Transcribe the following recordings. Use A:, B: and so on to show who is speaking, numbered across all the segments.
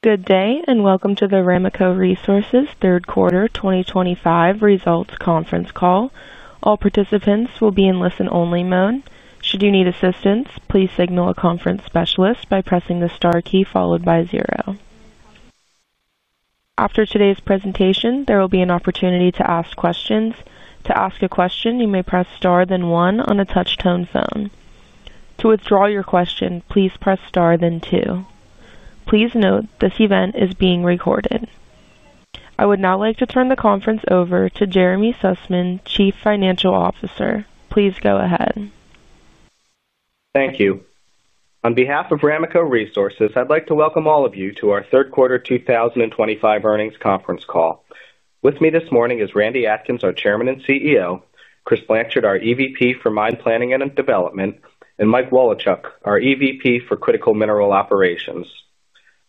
A: Good day and welcome to the Ramaco Resources third quarter 2025 results conference call. All participants will be in listen-only mode. Should you need assistance, please signal a conference specialist by pressing the star key followed by zero. After today's presentation, there will be an opportunity to ask questions. To ask a question, you may press star then one on a touch-tone phone. To withdraw your question, please press star then two. Please note this event is being recorded. I would now like to turn the conference over to Jeremy Sussman, Chief Financial Officer. Please go ahead.
B: Thank you. On behalf of Ramaco Resources, I'd like to welcome all of you to our third quarter 2025 earnings conference call. With me this morning is Randy Atkins, our Chairman and CEO, Chris Blanchard, our EVP for Mine Planning and Development, and Mike Woloschuk, our EVP for Critical Mineral Operations.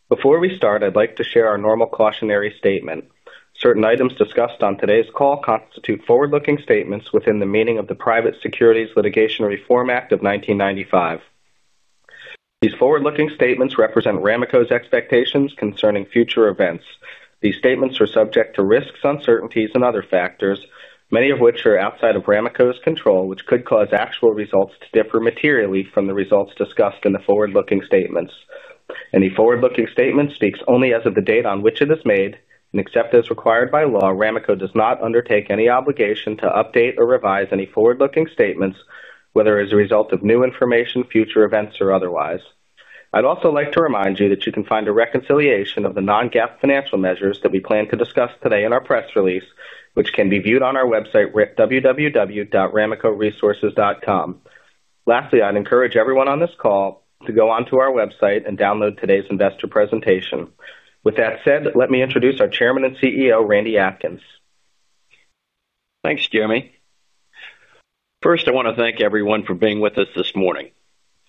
B: Before we start, I'd like to share our normal cautionary statement. Certain items discussed on today's call constitute forward-looking statements within the meaning of the Private Securities Litigation Reform Act of 1995. These forward-looking statements represent Ramaco's expectations concerning future events. These statements are subject to risks, uncertainties, and other factors, many of which are outside of Ramaco's control, which could cause actual results to differ materially from the results discussed in the forward-looking statements. Any forward-looking statement speaks only as of the date on which it is made, and except as required by law, Ramaco does not undertake any obligation to update or revise any forward-looking statements, whether as a result of new information, future events, or otherwise. I'd also like to remind you that you can find a reconciliation of the non-GAAP financial measures that we plan to discuss today in our press release, which can be viewed on our website, www.ramacoresources.com. Lastly, I'd encourage everyone on this call to go onto our website and download today's investor presentation. With that said, let me introduce our Chairman and CEO, Randy Atkins.
C: Thanks, Jeremy. First, I want to thank everyone for being with us this morning.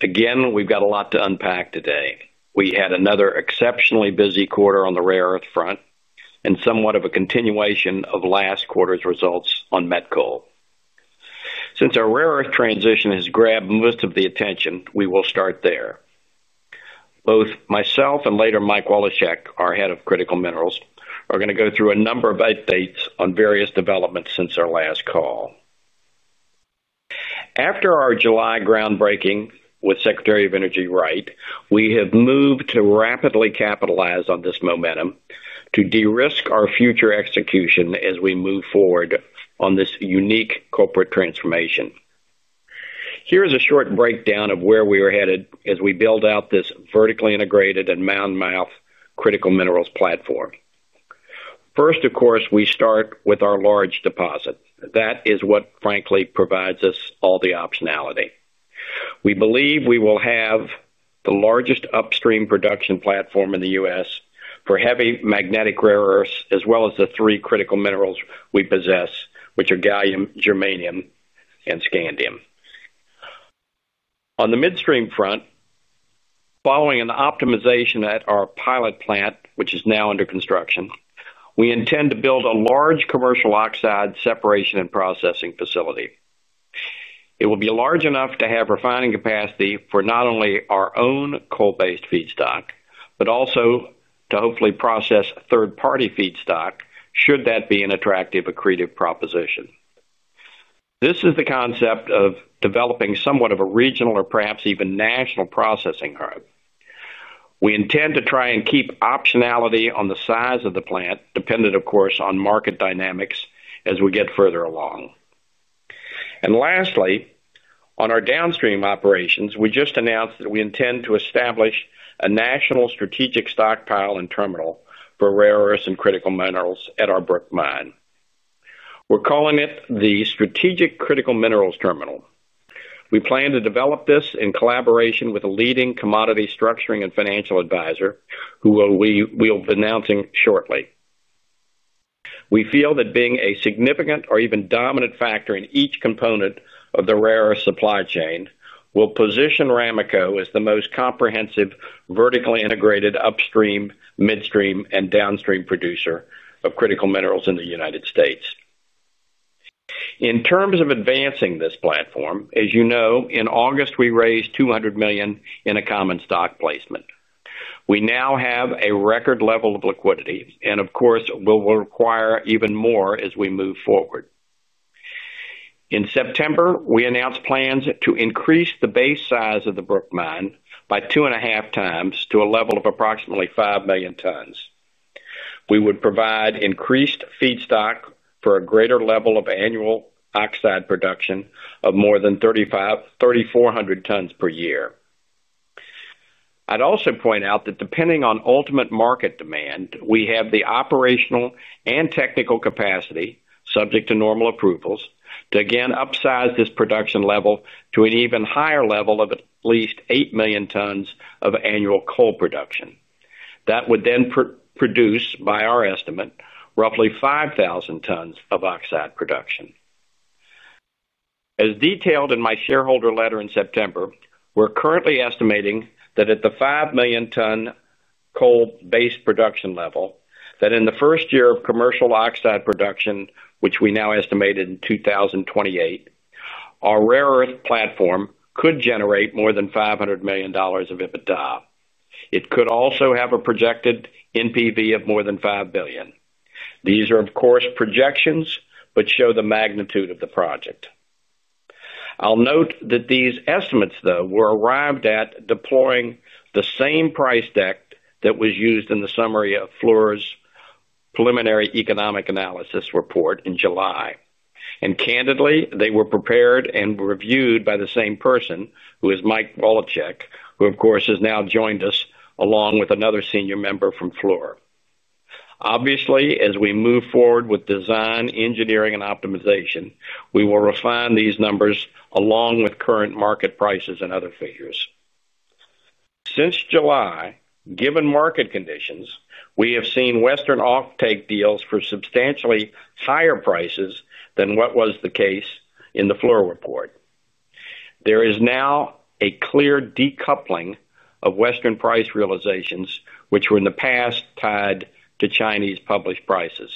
C: Again, we've got a lot to unpack today. We had another exceptionally busy quarter on the rare earth front and somewhat of a continuation of last quarter's results on met coal. Since our rare earth transition has grabbed most of the attention, we will start there. Both myself and later Mike Woloschuk, our Head of Critical Minerals, are going to go through a number of updates on various developments since our last call. After our July groundbreaking with Secretary of Energy Wright, we have moved to rapidly capitalize on this momentum to de-risk our future execution as we move forward on this unique corporate transformation. Here is a short breakdown of where we are headed as we build out this vertically integrated and mine-mouthed critical minerals platform. First, of course, we start with our large deposit. That is what, frankly, provides us all the optionality. We believe we will have the largest upstream production platform in the U.S. for heavy magnetic rare earths, as well as the three critical minerals we possess, which are gallium, germanium, and scandium. On the midstream front, following an optimization at our pilot plant, which is now under construction, we intend to build a large commercial oxide separation and processing facility. It will be large enough to have refining capacity for not only our own coal-based feedstock but also to hopefully process third-party feedstock, should that be an attractive accretive proposition. This is the concept of developing somewhat of a regional or perhaps even national processing hub. We intend to try and keep optionality on the size of the plant, dependent, of course, on market dynamics as we get further along. Lastly, on our downstream operations, we just announced that we intend to establish a national strategic stockpile and terminal for rare earths and critical minerals at our Brook Mine. We're calling it the Strategic Critical Minerals Terminal. We plan to develop this in collaboration with a leading commodity structuring and financial advisor, who we'll be announcing shortly. We feel that being a significant or even dominant factor in each component of the rare earth supply chain will position Ramaco as the most comprehensive, vertically integrated upstream, midstream, and downstream producer of critical minerals in the United States. In terms of advancing this platform, as you know, in August, we raised $200 million in a common stock placement. We now have a record level of liquidity, and of course, we'll require even more as we move forward. In September, we announced plans to increase the base size of the Brook Mine by 2.5x to a level of approximately 5 million tons. We would provide increased feedstock for a greater level of annual oxide production of more than 3,400 tons per year. I'd also point out that depending on ultimate market demand, we have the operational and technical capacity, subject to normal approvals, to again upsize this production level to an even higher level of at least 8 million tons of annual coal production. That would then produce, by our estimate, roughly 5,000 tons of oxide production. As detailed in my shareholder letter in September, we're currently estimating that at the 5 million ton coal-based production level, in the first year of commercial oxide production, which we now estimate in 2028, our rare earth platform could generate more than $500 million of EBITDA. It could also have a projected NPV of more than $5 billion. These are, of course, projections but show the magnitude of the project. I'll note that these estimates, though, were arrived at deploying the same price deck that was used in the summary of Fluor's preliminary economic analysis report in July. Candidly, they were prepared and reviewed by the same person, who is Mike Woloschuk, who, of course, has now joined us along with another senior member from Fluor. Obviously, as we move forward with design, engineering, and optimization, we will refine these numbers along with current market prices and other figures. Since July, given market conditions, we have seen Western offtake deals for substantially higher prices than what was the case in the Fluor report. There is now a clear decoupling of Western price realizations, which were in the past tied to Chinese published prices.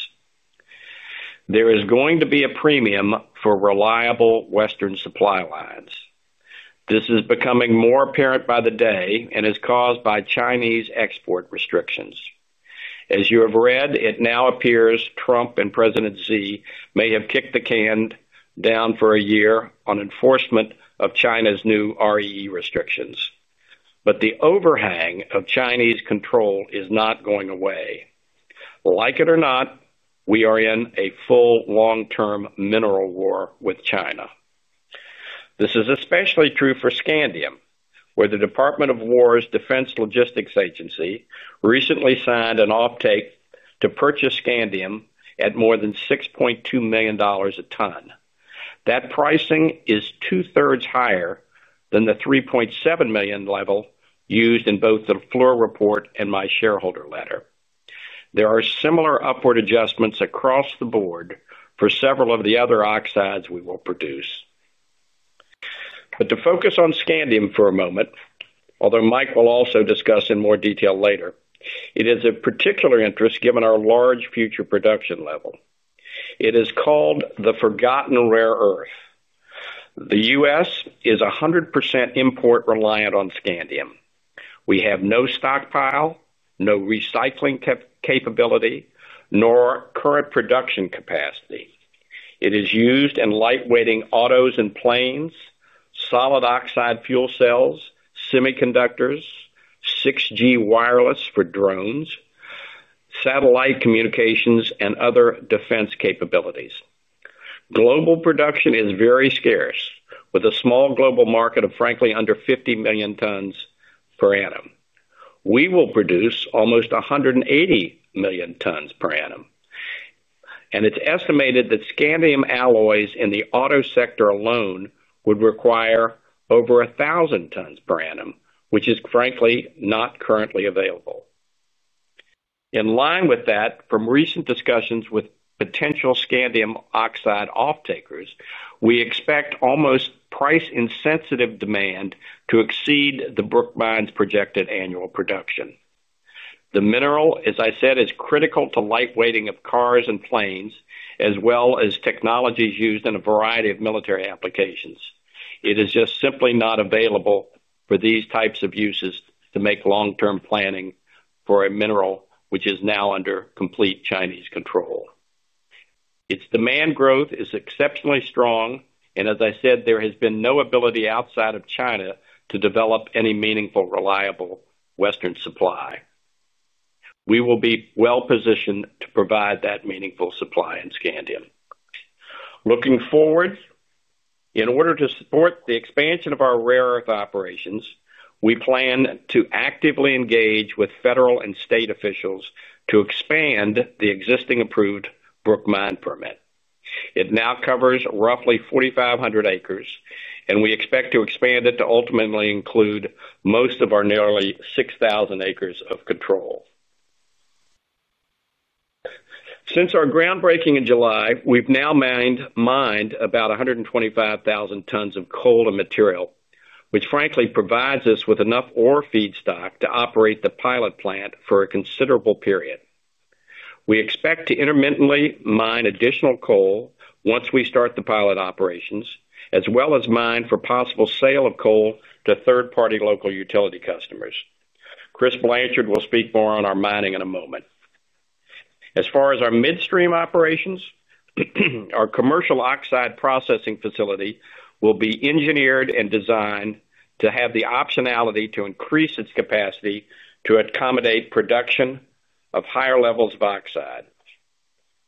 C: There is going to be a premium for reliable Western supply lines. This is becoming more apparent by the day and is caused by Chinese export restrictions. As you have read, it now appears Trump and President Xi may have kicked the can down for a year on enforcement of China's new REE restrictions. The overhang of Chinese control is not going away. Like it or not, we are in a full long-term mineral war with China. This is especially true for scandium, where the Department of War's Defense Logistics Agency recently signed an offtake to purchase scandium at more than $6.2 million a ton. That pricing is 2/3 higher than the $3.7 million level used in both the Fluor report and my shareholder letter. There are similar upward adjustments across the board for several of the other oxides we will produce. To focus on scandium for a moment, although Mike will also discuss in more detail later, it is of particular interest given our large future production level. It is called the forgotten rare earth. The U.S. is 100% import reliant on scandium. We have no stockpile, no recycling capability, nor current production capacity. It is used in lightweighting autos and planes, solid oxide fuel cells, semiconductors, 6G wireless for drones, satellite communications, and other defense capabilities. Global production is very scarce, with a small global market of, frankly, under 50 million tons per annum. We will produce almost 180 million tons per annum. It is estimated that scandium alloys in the auto sector alone would require over 1,000 tons per annum, which is, frankly, not currently available. In line with that, from recent discussions with potential scandium oxide offtakers, we expect almost price-insensitive demand to exceed the Brook Mine's projected annual production. The mineral, as I said, is critical to lightweighting of cars and planes, as well as technologies used in a variety of military applications. It is just simply not available for these types of uses to make long-term planning for a mineral which is now under complete Chinese control. Its demand growth is exceptionally strong, and as I said, there has been no ability outside of China to develop any meaningful, reliable Western supply. We will be well positioned to provide that meaningful supply in scandium. Looking forward, in order to support the expansion of our rare earth operations, we plan to actively engage with federal and state officials to expand the existing approved Brook Mine permit. It now covers roughly 4,500 acres, and we expect to expand it to ultimately include most of our nearly 6,000 acres of control. Since our groundbreaking in July, we've now mined about 125,000 tons of coal and material, which, frankly, provides us with enough ore feedstock to operate the pilot plant for a considerable period. We expect to intermittently mine additional coal once we start the pilot operations, as well as mine for possible sale of coal to third-party local utility customers. Chris Blanchard will speak more on our mining in a moment. As far as our midstream operations, our commercial oxide processing facility will be engineered and designed to have the optionality to increase its capacity to accommodate production of higher levels of oxide.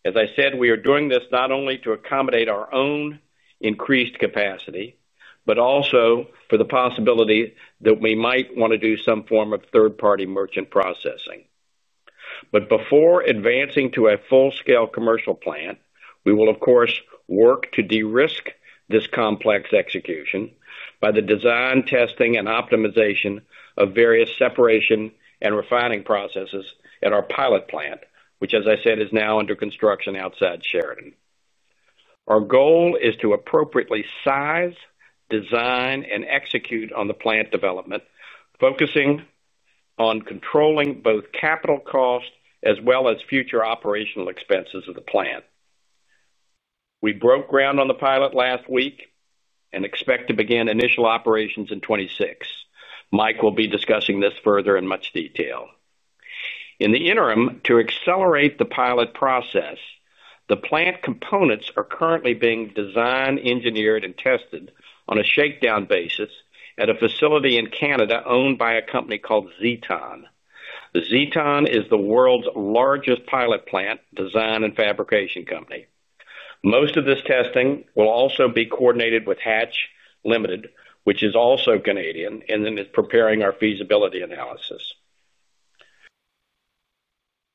C: As I said, we are doing this not only to accommodate our own increased capacity but also for the possibility that we might want to do some form of third-party merchant processing. Before advancing to a full-scale commercial plant, we will, of course, work to de-risk this complex execution by the design, testing, and optimization of various separation and refining processes at our pilot plant, which, as I said, is now under construction outside Sheridan. Our goal is to appropriately size, design, and execute on the plant development, focusing on controlling both capital cost as well as future operational expenses of the plant. We broke ground on the pilot last week and expect to begin initial operations in 2026. Mike will be discussing this further in much detail. In the interim, to accelerate the pilot process, the plant components are currently being designed, engineered, and tested on a shakedown basis at a facility in Canada owned by a company called Zeton. Zeton is the world's largest pilot plant design and fabrication company. Most of this testing will also be coordinated with Hatch Limited, which is also Canadian and is preparing our feasibility analysis.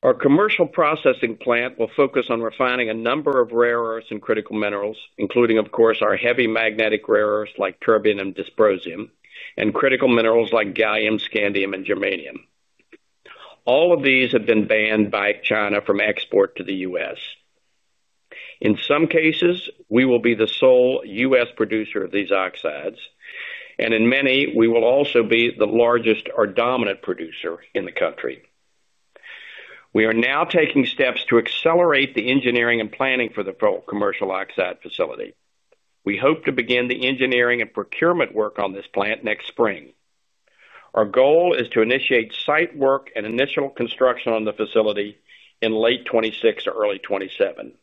C: Our commercial processing plant will focus on refining a number of rare earth elements and critical minerals, including, of course, our heavy magnetic rare earth elements like terbium and dysprosium, and critical minerals like gallium, scandium, and germanium. All of these have been banned by China from export to the U.S. In some cases, we will be the sole U.S. producer of these oxides, and in many, we will also be the largest or dominant producer in the country. We are now taking steps to accelerate the engineering and planning for the full commercial oxide facility. We hope to begin the engineering and procurement work on this plant next spring. Our goal is to initiate site work and initial construction on the facility in late 2026 or early 2027.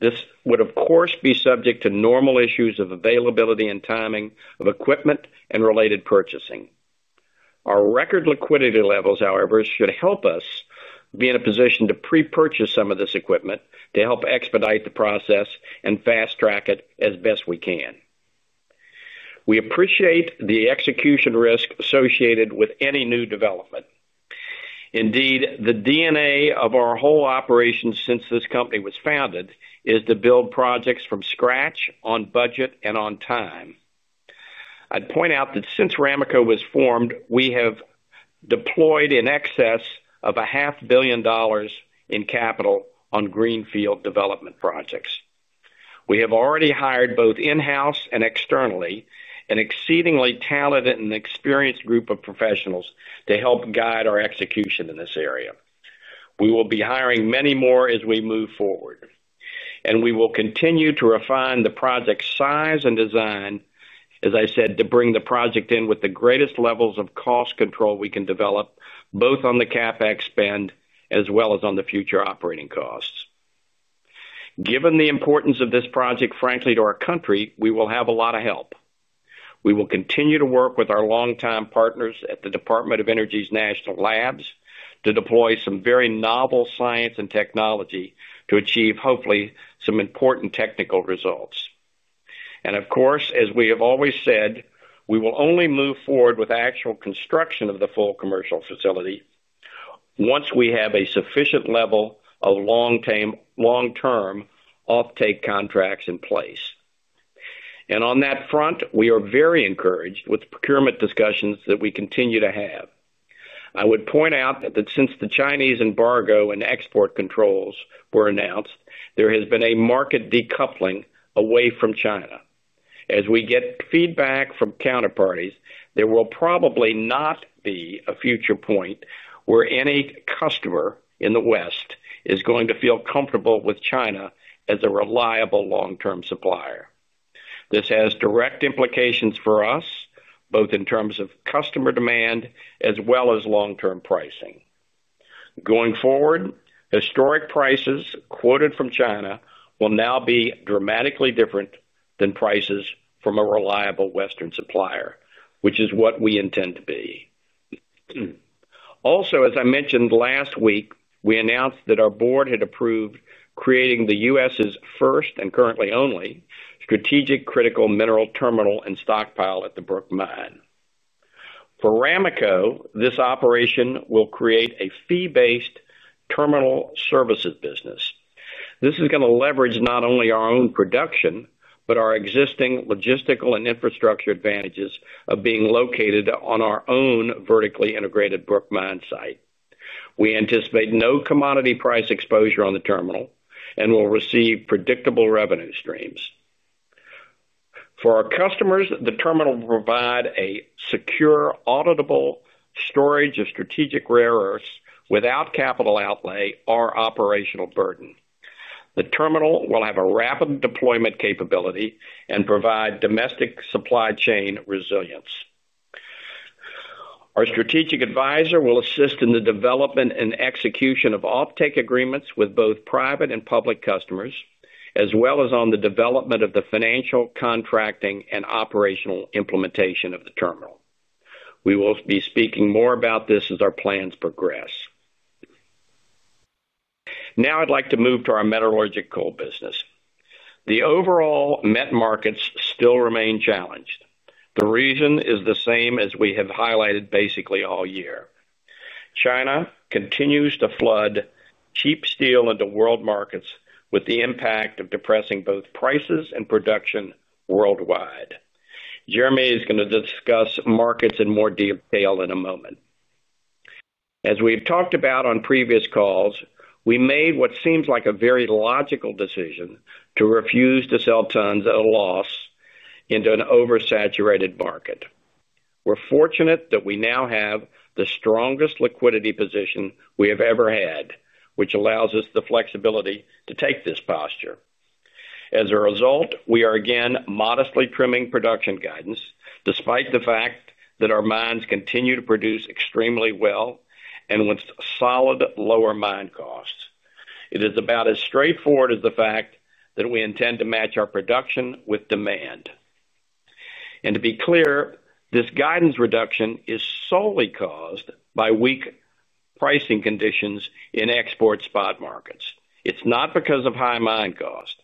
C: This would, of course, be subject to normal issues of availability and timing of equipment and related purchasing. Our record liquidity levels, however, should help us be in a position to pre-purchase some of this equipment to help expedite the process and fast-track it as best we can. We appreciate the execution risk associated with any new development. Indeed, the D&A of our whole operation since this company was founded is to build projects from scratch on budget and on time. I would point out that since Ramaco was formed, we have deployed in excess of $500 million in capital on greenfield development projects. We have already hired both in-house and externally an exceedingly talented and experienced group of professionals to help guide our execution in this area. We will be hiring many more as we move forward. We will continue to refine the project size and design, as I said, to bring the project in with the greatest levels of cost control we can develop, both on the CapEx spend as well as on the future operating costs. Given the importance of this project, frankly, to our country, we will have a lot of help. We will continue to work with our long-time partners at the Department of Energy's National Labs to deploy some very novel science and technology to achieve, hopefully, some important technical results. Of course, as we have always said, we will only move forward with actual construction of the full commercial facility once we have a sufficient level of long-term offtake contracts in place. On that front, we are very encouraged with procurement discussions that we continue to have. I would point out that since the Chinese embargo and export controls were announced, there has been a market decoupling away from China. As we get feedback from counterparties, there will probably not be a future point where any customer in the West is going to feel comfortable with China as a reliable long-term supplier. This has direct implications for us, both in terms of customer demand as well as long-term pricing. Going forward, historic prices quoted from China will now be dramatically different than prices from a reliable Western supplier, which is what we intend to be. Also, as I mentioned last week, we announced that our board had approved creating the U.S.'s first and currently only Strategic Critical Minerals Terminal and Stockpile at the Brook Mine. For Ramaco, this operation will create a fee-based terminal services business. This is going to leverage not only our own production but our existing logistical and infrastructure advantages of being located on our own vertically integrated Brook Mine site. We anticipate no commodity price exposure on the terminal and will receive predictable revenue streams. For our customers, the terminal will provide a secure, auditable storage of strategic rare earths without capital outlay or operational burden. The terminal will have a rapid deployment capability and provide domestic supply chain resilience. Our strategic advisor will assist in the development and execution of offtake agreements with both private and public customers, as well as on the development of the financial contracting and operational implementation of the terminal. We will be speaking more about this as our plans progress. Now I'd like to move to our metallurgical coal business. The overall met markets still remain challenged. The reason is the same as we have highlighted basically all year. China continues to flood cheap steel into world markets with the impact of depressing both prices and production worldwide. Jeremy is going to discuss markets in more detail in a moment. As we've talked about on previous calls, we made what seems like a very logical decision to refuse to sell tons at a loss into an oversaturated market. We're fortunate that we now have the strongest liquidity position we have ever had, which allows us the flexibility to take this posture. As a result, we are again modestly trimming production guidance despite the fact that our mines continue to produce extremely well and with solid lower mine costs. It is about as straightforward as the fact that we intend to match our production with demand. To be clear, this guidance reduction is solely caused by weak pricing conditions in export spot markets. It's not because of high mine cost.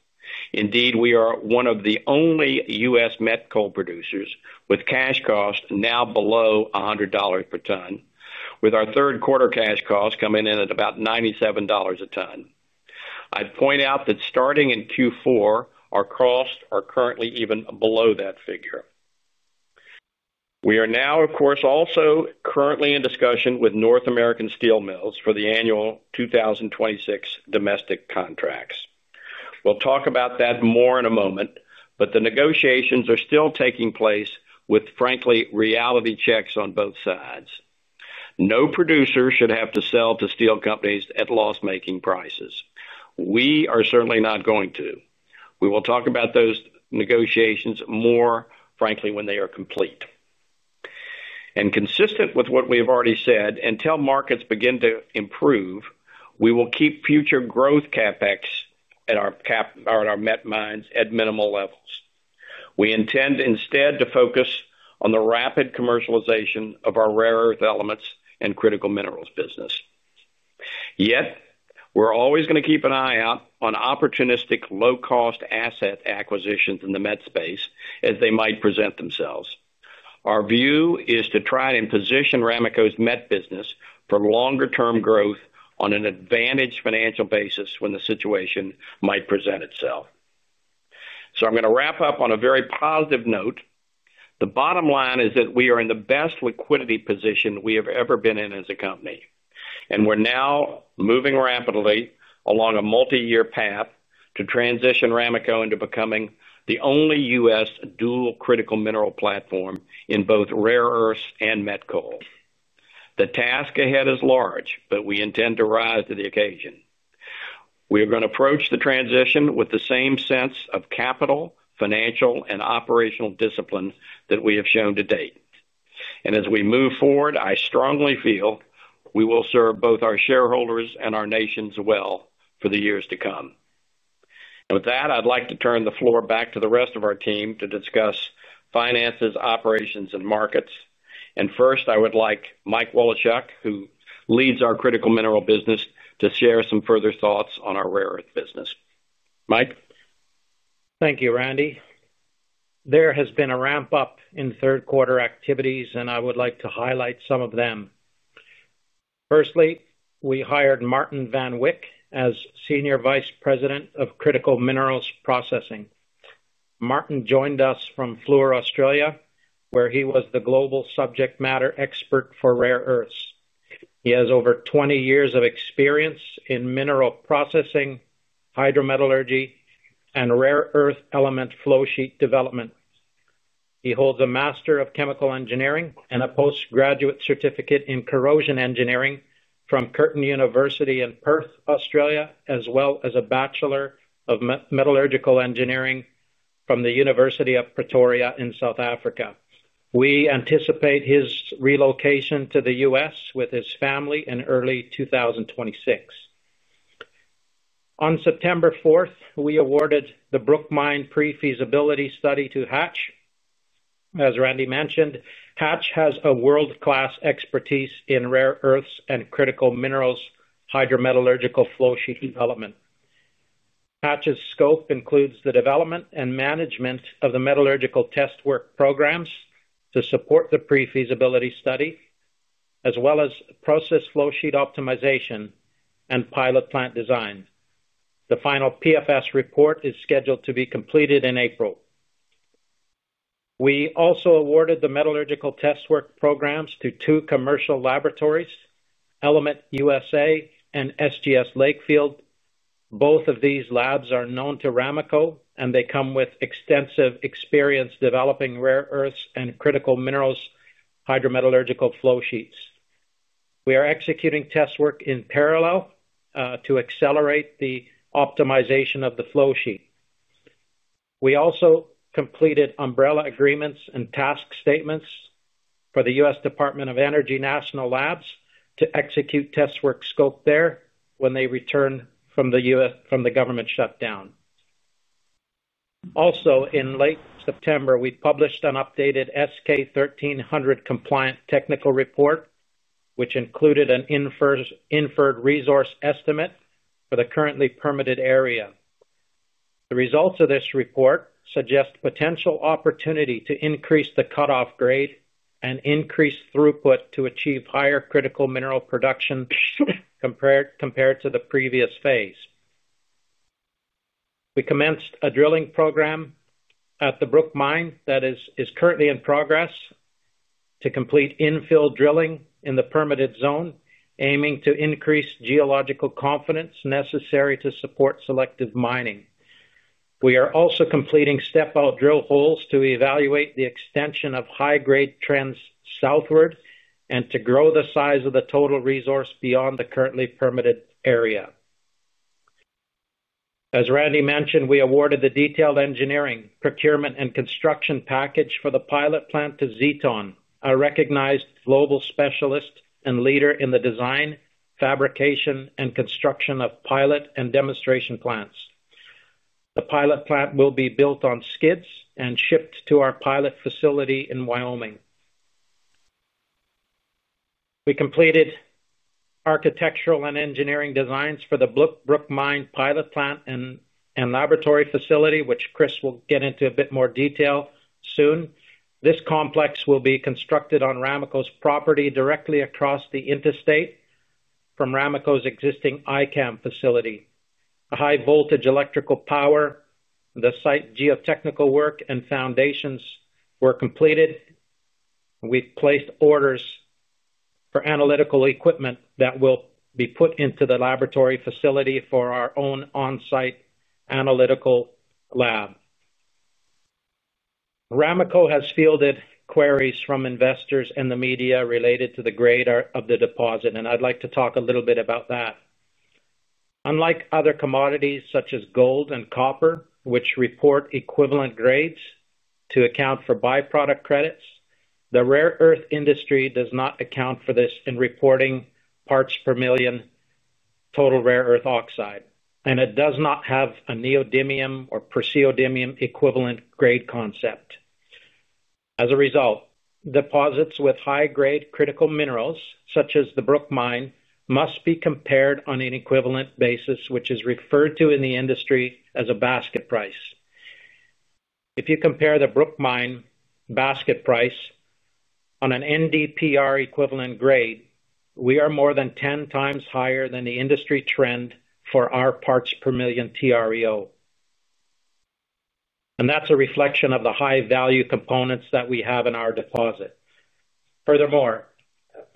C: Indeed, we are one of the only U.S. met coal producers with cash costs now below $100 per ton, with our third quarter cash costs coming in at about $97 a ton. I'd point out that starting in Q4, our costs are currently even below that figure. We are now, of course, also currently in discussion with North American steel mills for the annual 2026 domestic contracts. We'll talk about that more in a moment, but the negotiations are still taking place with, frankly, reality checks on both sides. No producer should have to sell to steel companies at loss-making prices. We are certainly not going to. We will talk about those negotiations more, frankly, when they are complete. Consistent with what we have already said, until markets begin to improve, we will keep future growth CapEx at our met mines at minimal levels. We intend instead to focus on the rapid commercialization of our rare earth elements and critical minerals business. Yet, we're always going to keep an eye out on opportunistic low-cost asset acquisitions in the met space as they might present themselves. Our view is to try and position Ramaco's met business for longer-term growth on an advantaged financial basis when the situation might present itself. I'm going to wrap up on a very positive note. The bottom line is that we are in the best liquidity position we have ever been in as a company. We're now moving rapidly along a multi-year path to transition Ramaco into becoming the only U.S. dual critical mineral platform in both rare earths and met coal. The task ahead is large, but we intend to rise to the occasion. We are going to approach the transition with the same sense of capital, financial, and operational discipline that we have shown to date. As we move forward, I strongly feel we will serve both our shareholders and our nation well for the years to come. With that, I'd like to turn the floor back to the rest of our team to discuss finances, operations, and markets. First, I would like Mike Woloschuk, who leads our critical mineral business, to share some further thoughts on our rare earth business. Mike?
D: Thank you, Randy. There has been a ramp-up in third quarter activities, and I would like to highlight some of them. Firstly, we hired Martin van Wyk as Senior Vice President of Critical Minerals Processing. Martin joined us from Fluor, Australia, where he was the global subject matter expert for rare earths. He has over 20 years of experience in mineral processing, hydrometallurgy, and rare earth element flow sheet development. He holds a Master of Chemical Engineering and a postgraduate certificate in corrosion engineering from Curtin University in Perth, Australia, as well as a Bachelor of Metallurgical Engineering from the University of Pretoria in South Africa. We anticipate his relocation to the U.S. with his family in early 2026. On September 4th, we awarded the Brook Mine pre-feasibility study to Hatch. As Randy mentioned, Hatch has world-class expertise in rare earths and critical minerals hydrometallurgical flow sheet development. Hatch's scope includes the development and management of the metallurgical test work programs to support the pre-feasibility study, as well as process flow sheet optimization and pilot plant design. The final PFS report is scheduled to be completed in April. We also awarded the metallurgical test work programs to two commercial laboratories, ElementUSA and SGS Lakefield. Both of these labs are known to Ramaco, and they come with extensive experience developing rare earths and critical minerals hydrometallurgical flow sheets. We are executing test work in parallel to accelerate the optimization of the flow sheet. We also completed umbrella agreements and task statements for the U.S. Department of Energy National Labs to execute test work scope there when they returned from the government shutdown. Also, in late September, we published an updated S-K 1300 compliant Technical Report, which included an inferred resource estimate for the currently permitted area. The results of this report suggest potential opportunity to increase the cutoff grade and increase throughput to achieve higher critical mineral production compared to the previous phase. We commenced a drilling program at the Brook Mine that is currently in progress to complete infill drilling in the permitted zone, aiming to increase geological confidence necessary to support selective mining. We are also completing step-out drill holes to evaluate the extension of high-grade trends southward and to grow the size of the total resource beyond the currently permitted area. As Randy mentioned, we awarded the detailed engineering, procurement, and construction package for the pilot plant to Zeton, a recognized global specialist and leader in the design, fabrication, and construction of pilot and demonstration plants. The pilot plant will be built on skids and shipped to our pilot facility in Wyoming. We completed architectural and engineering designs for the Brook Mine pilot plant and laboratory facility, which Chris will get into a bit more detail soon. This complex will be constructed on Ramaco's property directly across the interstate from Ramaco's existing iCAM facility. High-voltage electrical power, the site geotechnical work, and foundations were completed. We've placed orders for analytical equipment that will be put into the laboratory facility for our own on-site analytical lab. Ramaco has fielded queries from investors and the media related to the grade of the deposit, and I'd like to talk a little bit about that. Unlike other commodities such as gold and copper, which report equivalent grades to account for byproduct credits, the rare earth industry does not account for this in reporting parts per million total rare earth oxide. It does not have a neodymium or praseodymium equivalent grade concept. As a result, deposits with high-grade critical minerals, such as the Brook Mine, must be compared on an equivalent basis, which is referred to in the industry as a basket price. If you compare the Brook Mine basket price on an NdPr equivalent grade, we are more than 10x higher than the industry trend for our parts per million TREO. That's a reflection of the high-value components that we have in our deposit. Furthermore,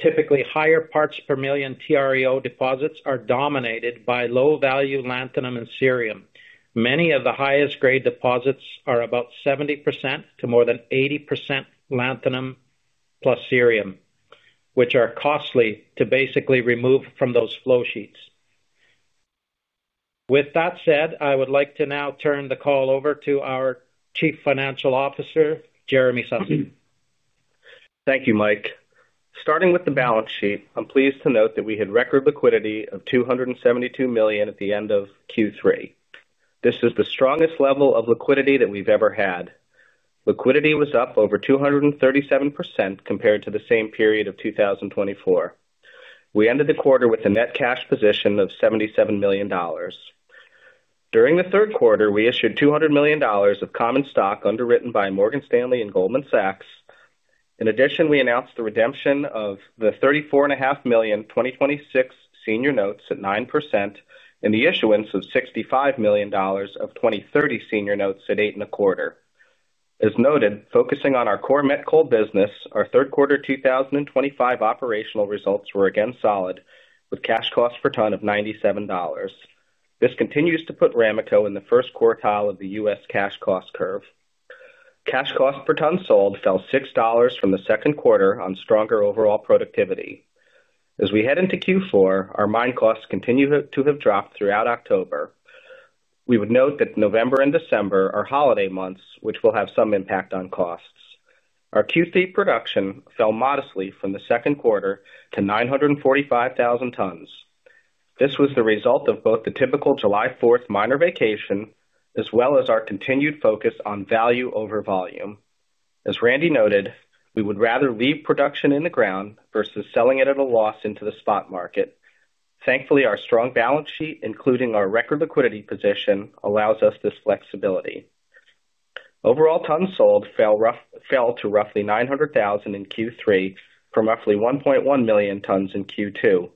D: typically, higher parts per million TREO deposits are dominated by low-value lanthanum and cerium. Many of the highest-grade deposits are about 70% to more than 80% lanthanum plus cerium, which are costly to basically remove from those flow sheets. With that said, I would like to now turn the call over to our Chief Financial Officer, Jeremy Sussman.
B: Thank you, Mike. Starting with the balance sheet, I'm pleased to note that we had record liquidity of $272 million at the end of Q3. This is the strongest level of liquidity that we've ever had. Liquidity was up over 237% compared to the same period of 2024. We ended the quarter with a net cash position of $77 million. During the third quarter, we issued $200 million of common stock underwritten by Morgan Stanley and Goldman Sachs. In addition, we announced the redemption of the $34.5 million 2026 senior notes at 9% and the issuance of $65 million of 2030 senior notes at 8.25%. As noted, focusing on our core metallurgical coal business, our third quarter 2025 operational results were again solid with cash cost per ton of $97. This continues to put Ramaco in the first quartile of the U.S. cash cost curve. Cash cost per ton sold fell $6 from the second quarter on stronger overall productivity. As we head into Q4, our mine costs continue to have dropped throughout October. We would note that November and December are holiday months, which will have some impact on costs. Our Q3 production fell modestly from the second quarter to 945,000 tons. This was the result of both the typical July 4th miner vacation as well as our continued focus on value over volume. As Randy noted, we would rather leave production in the ground versus selling it at a loss into the spot market. Thankfully, our strong balance sheet, including our record liquidity position, allows us this flexibility. Overall tons sold fell to roughly 900,000 in Q3 from roughly 1.1 million tons in Q2.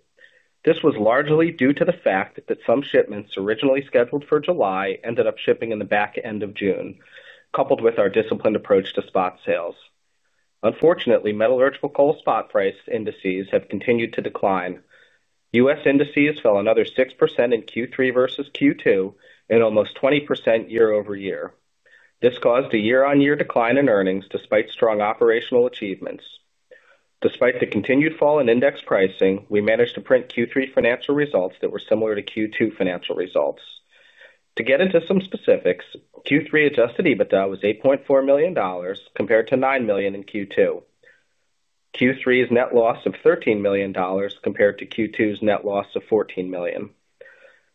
B: This was largely due to the fact that some shipments originally scheduled for July ended up shipping in the back end of June, coupled with our disciplined approach to spot sales. Unfortunately, metallurgical coal spot price indices have continued to decline. U.S. indices fell another 6% in Q3 versus Q2 and almost 20% year-over-year. This caused a year-on-year decline in earnings despite strong operational achievements. Despite the continued fall in index pricing, we managed to print Q3 financial results that were similar to Q2 financial results. To get into some specifics, Q3 adjusted EBITDA was $8.4 million compared to $9 million in Q2. Q3's net loss of $13 million compared to Q2's net loss of $14 million.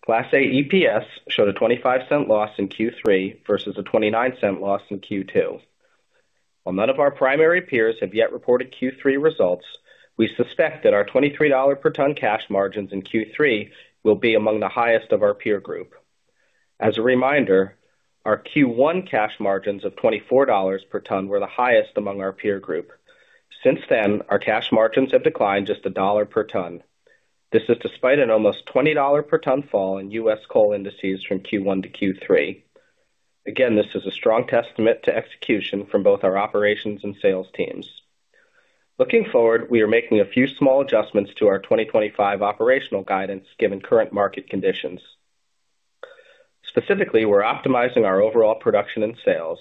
B: Class A EPS showed a $0.25 loss in Q3 versus a $0.29 loss in Q2. While none of our primary peers have yet reported Q3 results, we suspect that our $23 per ton cash margins in Q3 will be among the highest of our peer group. As a reminder, our Q1 cash margins of $24 per ton were the highest among our peer group. Since then, our cash margins have declined just $1 per ton. This is despite an almost $20 per ton fall in U.S. coal indices from Q1 to Q3. Again, this is a strong testament to execution from both our operations and sales teams. Looking forward, we are making a few small adjustments to our 2025 operational guidance given current market conditions. Specifically, we're optimizing our overall production and sales.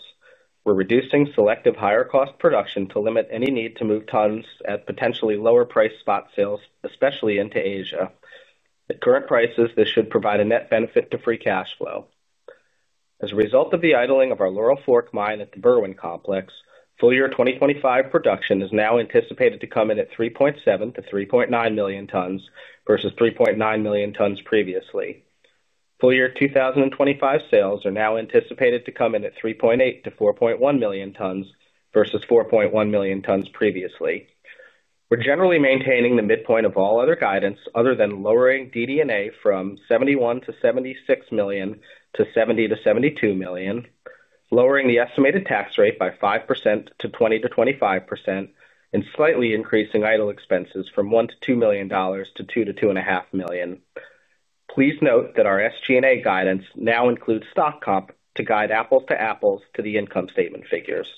B: We're reducing selective higher cost production to limit any need to move tons at potentially lower price spot sales, especially into Asia. At current prices, this should provide a net benefit to free cash flow. As a result of the idling of our Laurel Fork mine at the Berwind complex, full-year 2025 production is now anticipated to come in at 3.7 million tons-3.9 million tons versus 3.9 million tons previously. Full-year 2025 sales are now anticipated to come in at 3.8 million tons-4.1 million tons versus 4.1 million tons previously. We're generally maintaining the midpoint of all other guidance other than lowering DD&A from $71 million-$76 million to $70 million-$72 million, lowering the estimated tax rate by 5% to 20% to 25%, and slightly increasing idle expenses from $1 million-$2 million to $2 million-$2.5 million. Please note that our SG&A guidance now includes stock comp to guide apples to apples to the income statement figures.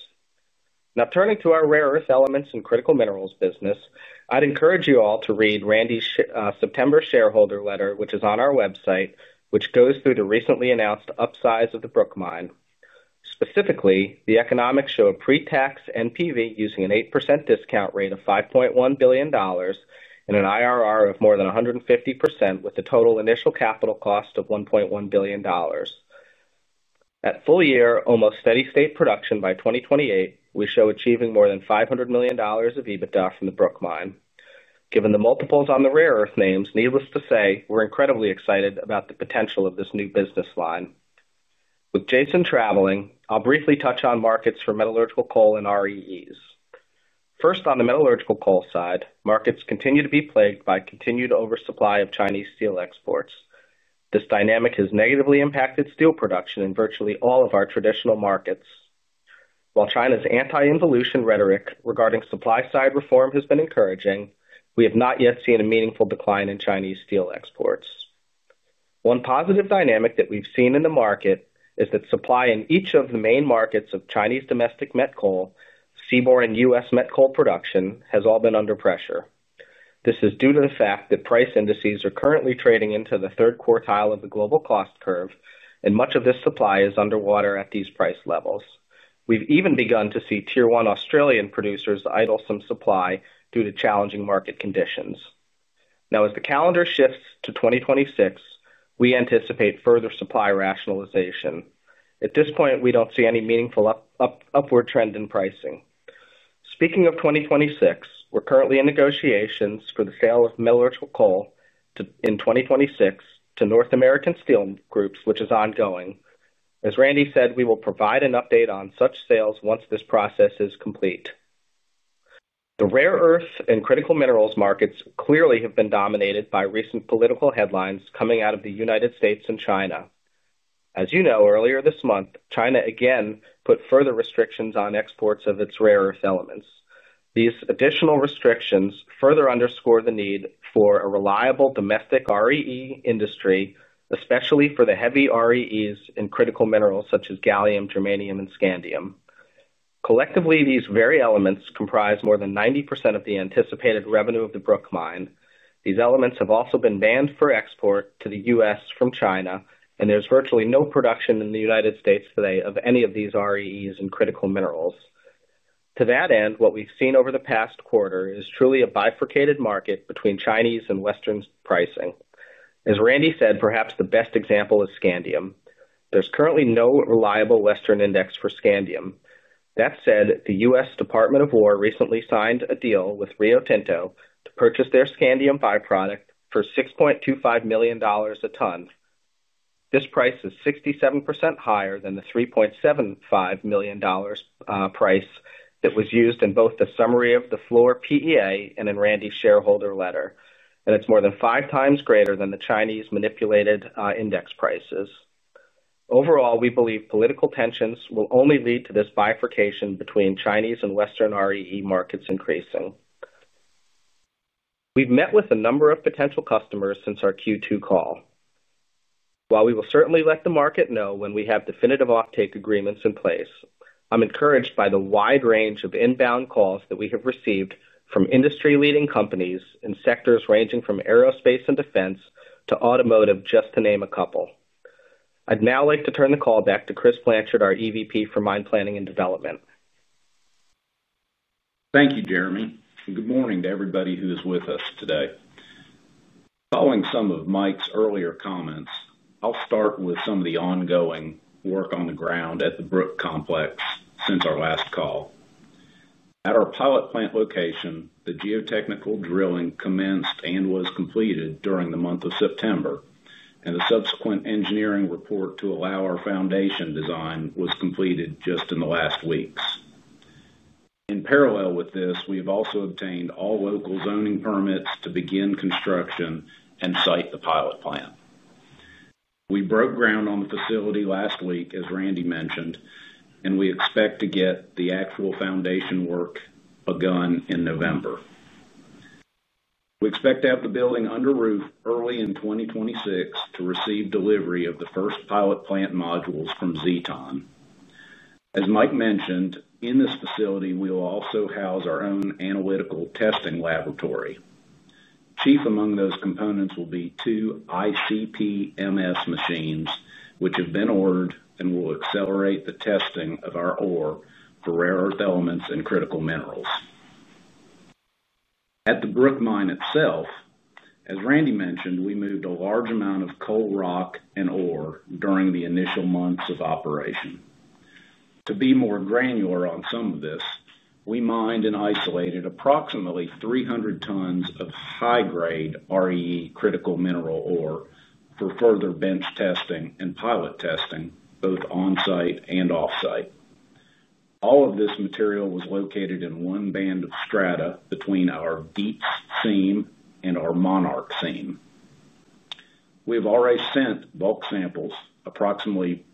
B: Now, turning to our rare earth elements and critical minerals business, I'd encourage you all to read Randy's September shareholder letter, which is on our website, which goes through the recently announced upsize of the Brook Mine. Specifically, the economics show a pre-tax NPV using an 8% discount rate of $5.1 billion and an IRR of more than 150% with a total initial capital cost of $1.1 billion. At full year, almost steady state production by 2028, we show achieving more than $500 million of EBITDA from the Brook Mine. Given the multiples on the rare earth names, needless to say, we're incredibly excited about the potential of this new business line. With Jason traveling, I'll briefly touch on markets for metallurgical coal and REEs. First, on the metallurgical coal side, markets continue to be plagued by continued oversupply of Chinese steel exports. This dynamic has negatively impacted steel production in virtually all of our traditional markets. While China's anti-involution rhetoric regarding supply-side reform has been encouraging, we have not yet seen a meaningful decline in Chinese steel exports. One positive dynamic that we've seen in the market is that supply in each of the main markets of Chinese domestic met coal, seaboard, and U.S. met coal production has all been under pressure. This is due to the fact that price indices are currently trading into the third quartile of the global cost curve, and much of this supply is underwater at these price levels. We've even begun to see Tier 1 Australian producers idle some supply due to challenging market conditions. Now, as the calendar shifts to 2026, we anticipate further supply rationalization. At this point, we don't see any meaningful upward trend in pricing. Speaking of 2026, we're currently in negotiations for the sale of metallurgical coal in 2026 to North American steel groups, which is ongoing. As Randy said, we will provide an update on such sales once this process is complete. The rare earth and critical minerals markets clearly have been dominated by recent political headlines coming out of the United States and China. As you know, earlier this month, China again put further restrictions on exports of its rare earth elements. These additional restrictions further underscore the need for a reliable domestic REE industry, especially for the heavy REEs in critical minerals such as gallium, germanium, and scandium. Collectively, these very elements comprise more than 90% of the anticipated revenue of the Brook Mine. These elements have also been banned for export to the U.S. from China, and there's virtually no production in the United States today of any of these REEs in critical minerals. To that end, what we've seen over the past quarter is truly a bifurcated market between Chinese and Western pricing. As Randy said, perhaps the best example is scandium. There's currently no reliable Western index for scandium. That said, the U.S. Department of War recently signed a deal with Rio Tinto to purchase their scandium byproduct for $6.25 million a ton. This price is 67% higher than the $3.75 million price that was used in both the summary of the Fluor PEA and in Randy's shareholder letter, and it's more than 5x greater than the Chinese manipulated index prices. Overall, we believe political tensions will only lead to this bifurcation between Chinese and Western REE markets increasing. We've met with a number of potential customers since our Q2 call. While we will certainly let the market know when we have definitive offtake agreements in place, I'm encouraged by the wide range of inbound calls that we have received from industry-leading companies in sectors ranging from aerospace and defense to automotive, just to name a couple. I'd now like to turn the call back to Chris Blanchard, our EVP for Mine Planning and Development.
E: Thank you, Jeremy. Good morning to everybody who is with us today. Following some of Mike's earlier comments, I'll start with some of the ongoing work on the ground at the Brook complex since our last call. At our pilot plant location, the geotechnical drilling commenced and was completed during the month of September, and the subsequent engineering report to allow our foundation design was completed just in the last weeks. In parallel with this, we have also obtained all local zoning permits to begin construction and site the pilot plant. We broke ground on the facility last week, as Randy mentioned, and we expect to get the actual foundation work begun in November. We expect to have the building under roof early in 2026 to receive delivery of the first pilot plant modules from Zeton. As Mike mentioned, in this facility, we will also house our own analytical testing laboratory. Chief among those components will be two ICP-MS machines, which have been ordered and will accelerate the testing of our ore for rare earth elements and critical minerals. At the Brook Mine itself, as Randy mentioned, we moved a large amount of coal, rock, and ore during the initial months of operation. To be more granular on some of this, we mined and isolated approximately 300 tons of high-grade REE critical mineral ore for further bench testing and pilot testing, both on-site and off-site. All of this material was located in one band of strata between our Deeps seam and our Monarch seam. We have already sent bulk samples, approximately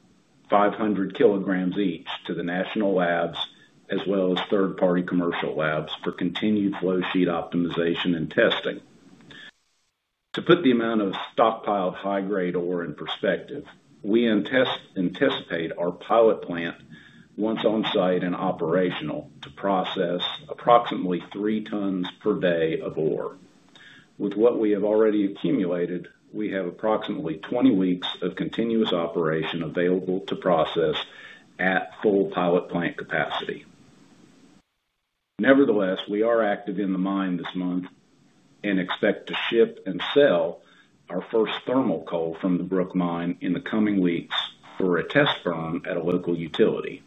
E: 500 kg each, to the national labs as well as third-party commercial labs for continued flow sheet optimization and testing. To put the amount of stockpiled high-grade ore in perspective, we anticipate our pilot plant, once on-site and operational, to process approximately 3 tons per day of ore. With what we have already accumulated, we have approximately 20 weeks of continuous operation available to process at full pilot plant capacity. Nevertheless, we are active in the mine this month and expect to ship and sell our first thermal coal from the Brook Mine in the coming weeks for a test burn at a local utility.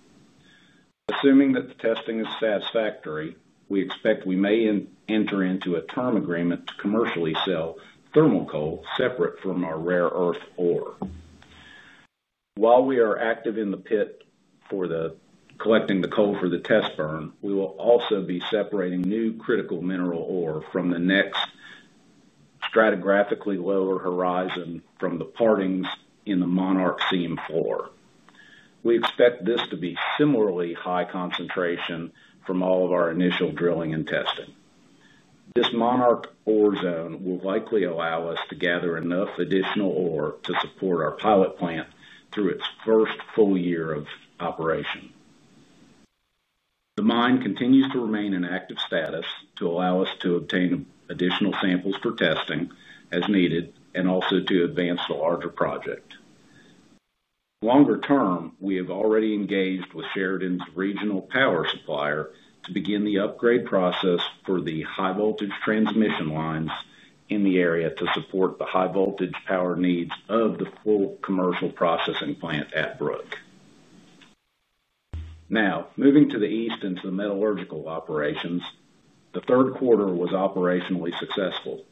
E: Assuming that the testing is satisfactory, we expect we may enter into a term agreement to commercially sell thermal coal separate from our rare earth ore. While we are active in the pit for collecting the coal for the test burn, we will also be separating new critical mineral ore from the next stratigraphically lower horizon from the partings in the Monarch seam floor. We expect this to be similarly high concentration from all of our initial drilling and testing. This Monarch ore zone will likely allow us to gather enough additional ore to support our pilot plant through its first full year of operation. The mine continues to remain in active status to allow us to obtain additional samples for testing as needed and also to advance the larger project. Longer term, we have already engaged with Sheridan's regional power supplier to begin the upgrade process for the high-voltage transmission lines in the area to support the high-voltage power needs of the full commercial processing plant at Brook. Now, moving to the east and to the metallurgical operations, the third quarter was operationally successful.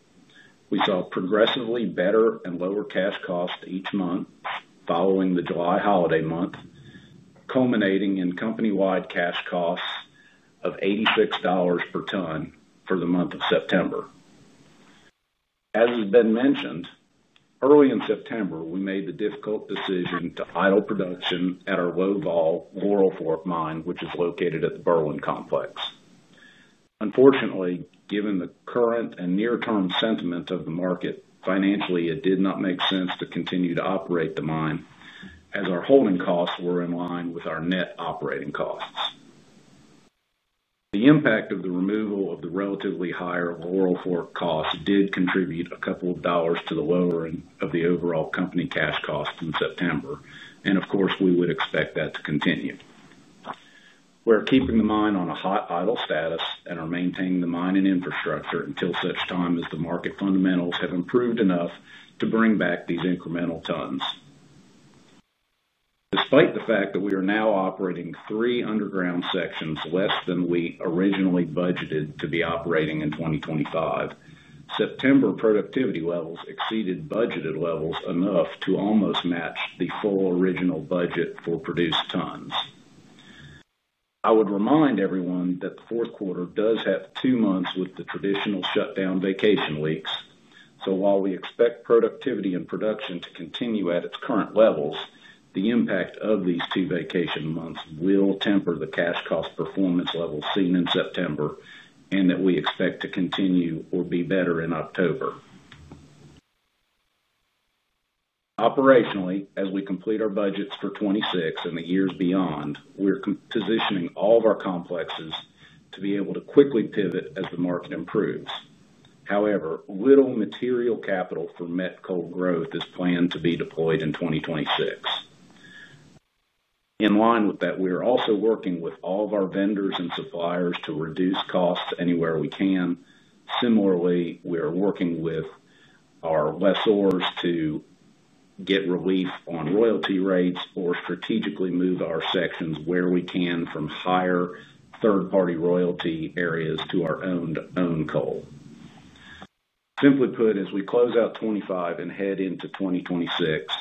E: We saw progressively better and lower cash costs each month following the July holiday month, culminating in company-wide cash costs of $86 per ton for the month of September. As has been mentioned, early in September, we made the difficult decision to idle production at our low-vol Laurel Fork mine, which is located at the Berwind complex. Unfortunately, given the current and near-term sentiment of the market, financially, it did not make sense to continue to operate the mine as our holding costs were in line with our net operating costs. The impact of the removal of the relatively higher Laurel Fork cost did contribute a couple of dollars to the lowering of the overall company cash cost in September, and of course, we would expect that to continue. We're keeping the mine on a hot idle status and are maintaining the mine and infrastructure until such time as the market fundamentals have improved enough to bring back these incremental tons. Despite the fact that we are now operating three underground sections less than we originally budgeted to be operating in 2025, September productivity levels exceeded budgeted levels enough to almost match the full original budget for produced tons. I would remind everyone that the fourth quarter does have two months with the traditional shutdown vacation weeks. While we expect productivity and production to continue at its current levels, the impact of these two vacation months will temper the cash cost performance levels seen in September and that we expect to continue or be better in October. Operationally, as we complete our budgets for 2026 and the years beyond, we're positioning all of our complexes to be able to quickly pivot as the market improves. However, little material capital for met coal growth is planned to be deployed in 2026. In line with that, we are also working with all of our vendors and suppliers to reduce costs anywhere we can. Similarly, we are working with our lessors to get relief on royalty rates or strategically move our sections where we can from higher third-party royalty areas to our owned coal. Simply put, as we close out 2025 and head into 2026,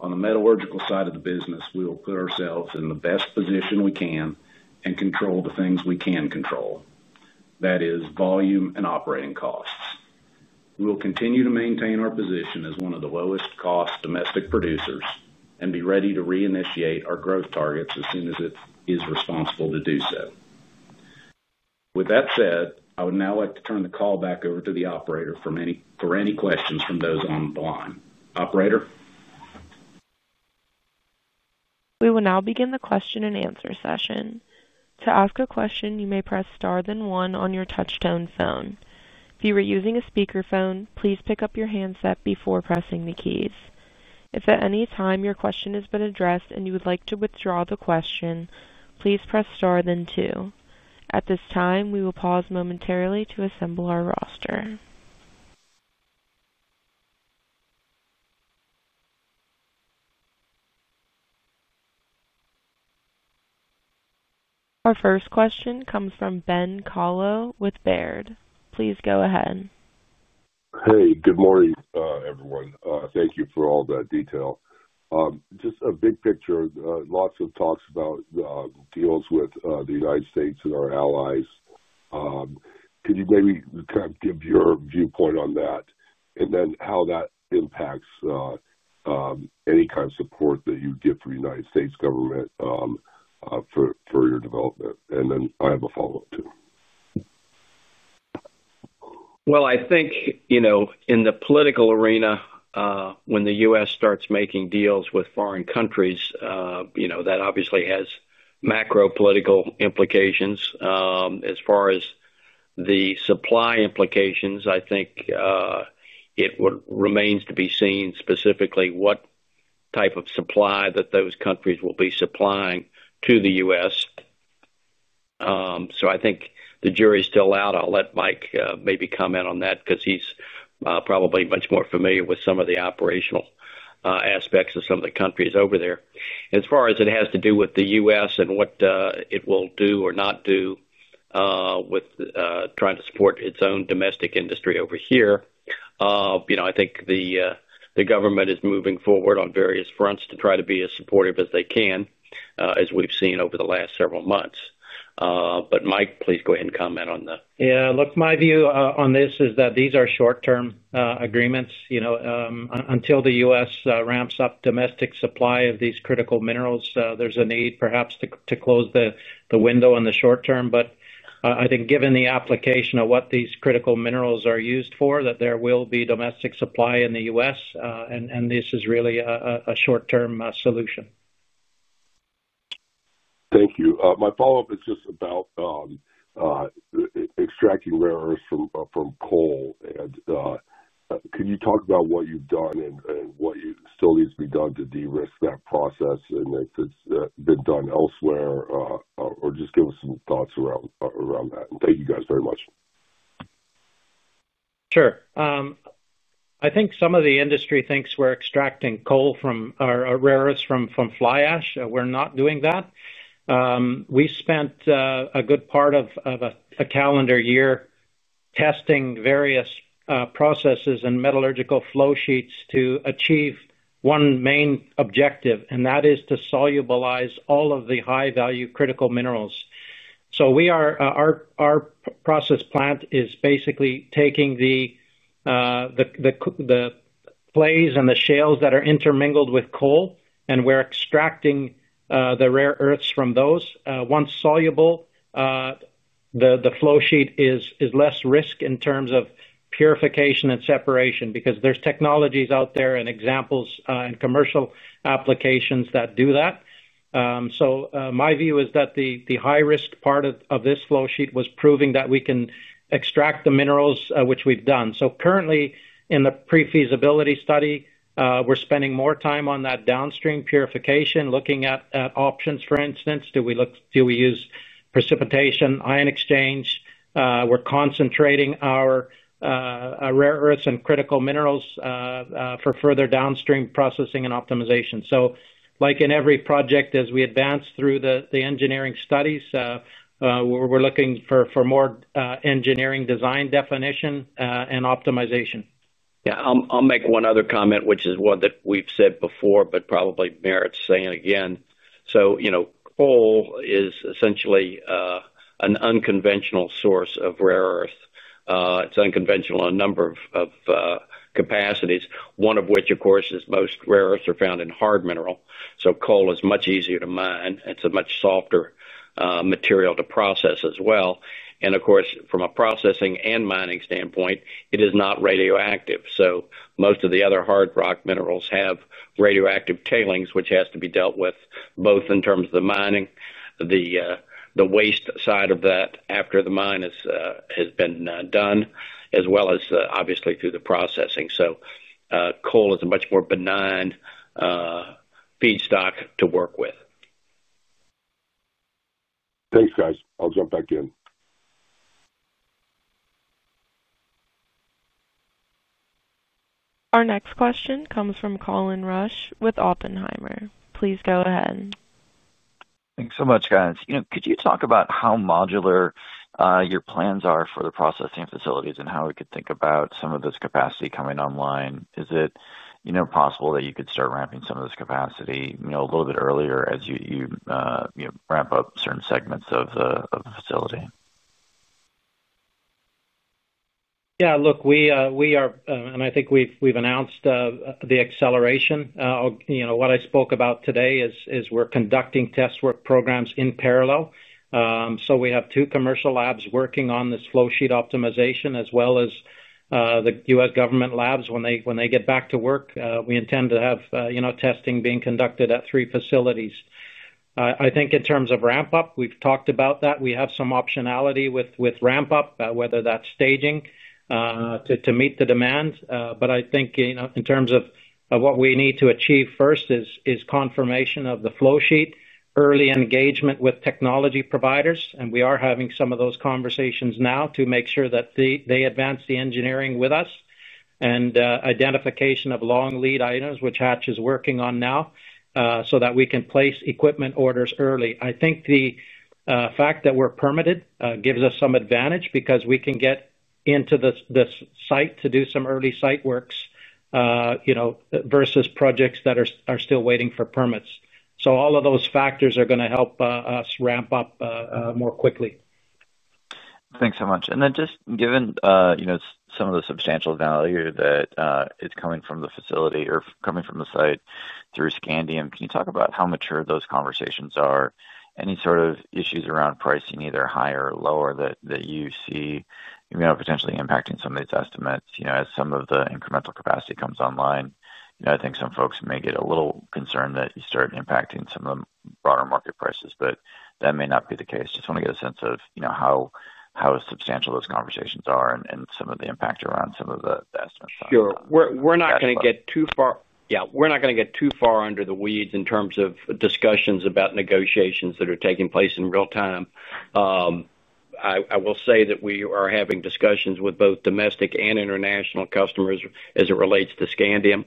E: on the metallurgical side of the business, we will put ourselves in the best position we can and control the things we can control. That is volume and operating costs. We will continue to maintain our position as one of the lowest-cost domestic producers and be ready to reinitiate our growth targets as soon as it is responsible to do so. With that said, I would now like to turn the call back over to the operator for any questions from those on the line. Operator?
A: We will now begin the question and answer session. To ask a question, you may press star then one on your touch-tone phone. If you are using a speakerphone, please pick up your handset before pressing the keys. If at any time your question has been addressed and you would like to withdraw the question, please press star then two. At this time, we will pause momentarily to assemble our roster. Our first question comes from Ben Kallo with Baird. Please go ahead.
F: Hey, good morning, everyone. Thank you for all that detail. Just a big picture, lots of talks about the deals with the United States and our allies. Can you maybe kind of give your viewpoint on that and then how that impacts any kind of support that you get from the United States government for your development? I have a follow-up too.
C: I think, you know, in the political arena, when the U.S. starts making deals with foreign countries, you know, that obviously has macro political implications. As far as the supply implications, I think it remains to be seen specifically what type of supply those countries will be supplying to the U.S. I think the jury's still out. I'll let Mike maybe comment on that because he's probably much more familiar with some of the operational aspects of some of the countries over there. As far as it has to do with the U.S. and what it will do or not do with trying to support its own domestic industry over here, I think the government is moving forward on various fronts to try to be as supportive as they can, as we've seen over the last several months. Mike, please go ahead and comment on that.
D: Yeah, look, my view on this is that these are short-term agreements. Until the U.S. ramps up domestic supply of these critical minerals, there's a need perhaps to close the window in the short term. I think given the application of what these critical minerals are used for, there will be domestic supply in the U.S., and this is really a short-term solution.
F: Thank you. My follow-up is just about extracting rare earth elements from coal. Can you talk about what you've done and what you still need to be done to de-risk that process, and if it's been done elsewhere, or just give us some thoughts around that? Thank you guys very much.
D: Sure. I think some of the industry thinks we're extracting coal or our rare earths from fly ash. We're not doing that. We spent a good part of a calendar year testing various processes and metallurgical flow sheets to achieve one main objective, and that is to solubilize all of the high-value critical minerals. Our process plant is basically taking the clays and the shales that are intermingled with coal, and we're extracting the rare earths from those. Once soluble, the flow sheet is less risk in terms of purification and separation because there's technologies out there and examples and commercial applications that do that. My view is that the high-risk part of this flow sheet was proving that we can extract the minerals, which we've done. Currently, in the pre-feasibility study, we're spending more time on that downstream purification, looking at options, for instance. Do we use precipitation, ion exchange? We're concentrating our rare earths and critical minerals for further downstream processing and optimization. Like in every project, as we advance through the engineering studies, we're looking for more engineering design definition and optimization.
C: Yeah, I'll make one other comment, which is one that we've said before, but probably merits saying again. You know, coal is essentially an unconventional source of rare earth. It's unconventional in a number of capacities. One of which, of course, is most rare earths are found in hard mineral. Coal is much easier to mine. It's a much softer material to process as well. Of course, from a processing and mining standpoint, it is not radioactive. Most of the other hard rock minerals have radioactive tailings, which has to be dealt with both in terms of the mining, the waste side of that after the mine has been done, as well as, obviously, through the processing. Coal is a much more benign feedstock to work with.
F: Thanks, guys. I'll jump back in.
A: Our next question comes from Colin Rusch with Oppenheimer. Please go ahead.
G: Thanks so much, guys. Could you talk about how modular your plans are for the processing facilities and how we could think about some of this capacity coming online? Is it possible that you could start ramping some of this capacity a little bit earlier as you ramp up certain segments of the facility?
D: Yeah, look, we are, and I think we've announced the acceleration. What I spoke about today is we're conducting test work programs in parallel. We have two commercial labs working on this flow sheet optimization, as well as the U.S. government labs. When they get back to work, we intend to have testing being conducted at three facilities. I think in terms of ramp-up, we've talked about that. We have some optionality with ramp-up, whether that's staging to meet the demand. I think in terms of what we need to achieve first is confirmation of the flow sheet, early engagement with technology providers, and we are having some of those conversations now to make sure that they advance the engineering with us and identification of long lead items, which Hatch is working on now, so that we can place equipment orders early. I think the fact that we're permitted gives us some advantage because we can get into this site to do some early site works versus projects that are still waiting for permits. All of those factors are going to help us ramp up more quickly.
G: Thanks so much. Given some of the substantial value that is coming from the facility or coming from the site through scandium, can you talk about how mature those conversations are? Any sort of issues around pricing, either higher or lower, that you see potentially impacting some of these estimates? As some of the incremental capacity comes online, I think some folks may get a little concerned that you start impacting some of the broader market prices, but that may not be the case. I just want to get a sense of how substantial those conversations are and some of the impact around some of the estimates.
C: Sure. We're not going to get too far under the weeds in terms of discussions about negotiations that are taking place in real time. I will say that we are having discussions with both domestic and international customers as it relates to scandium.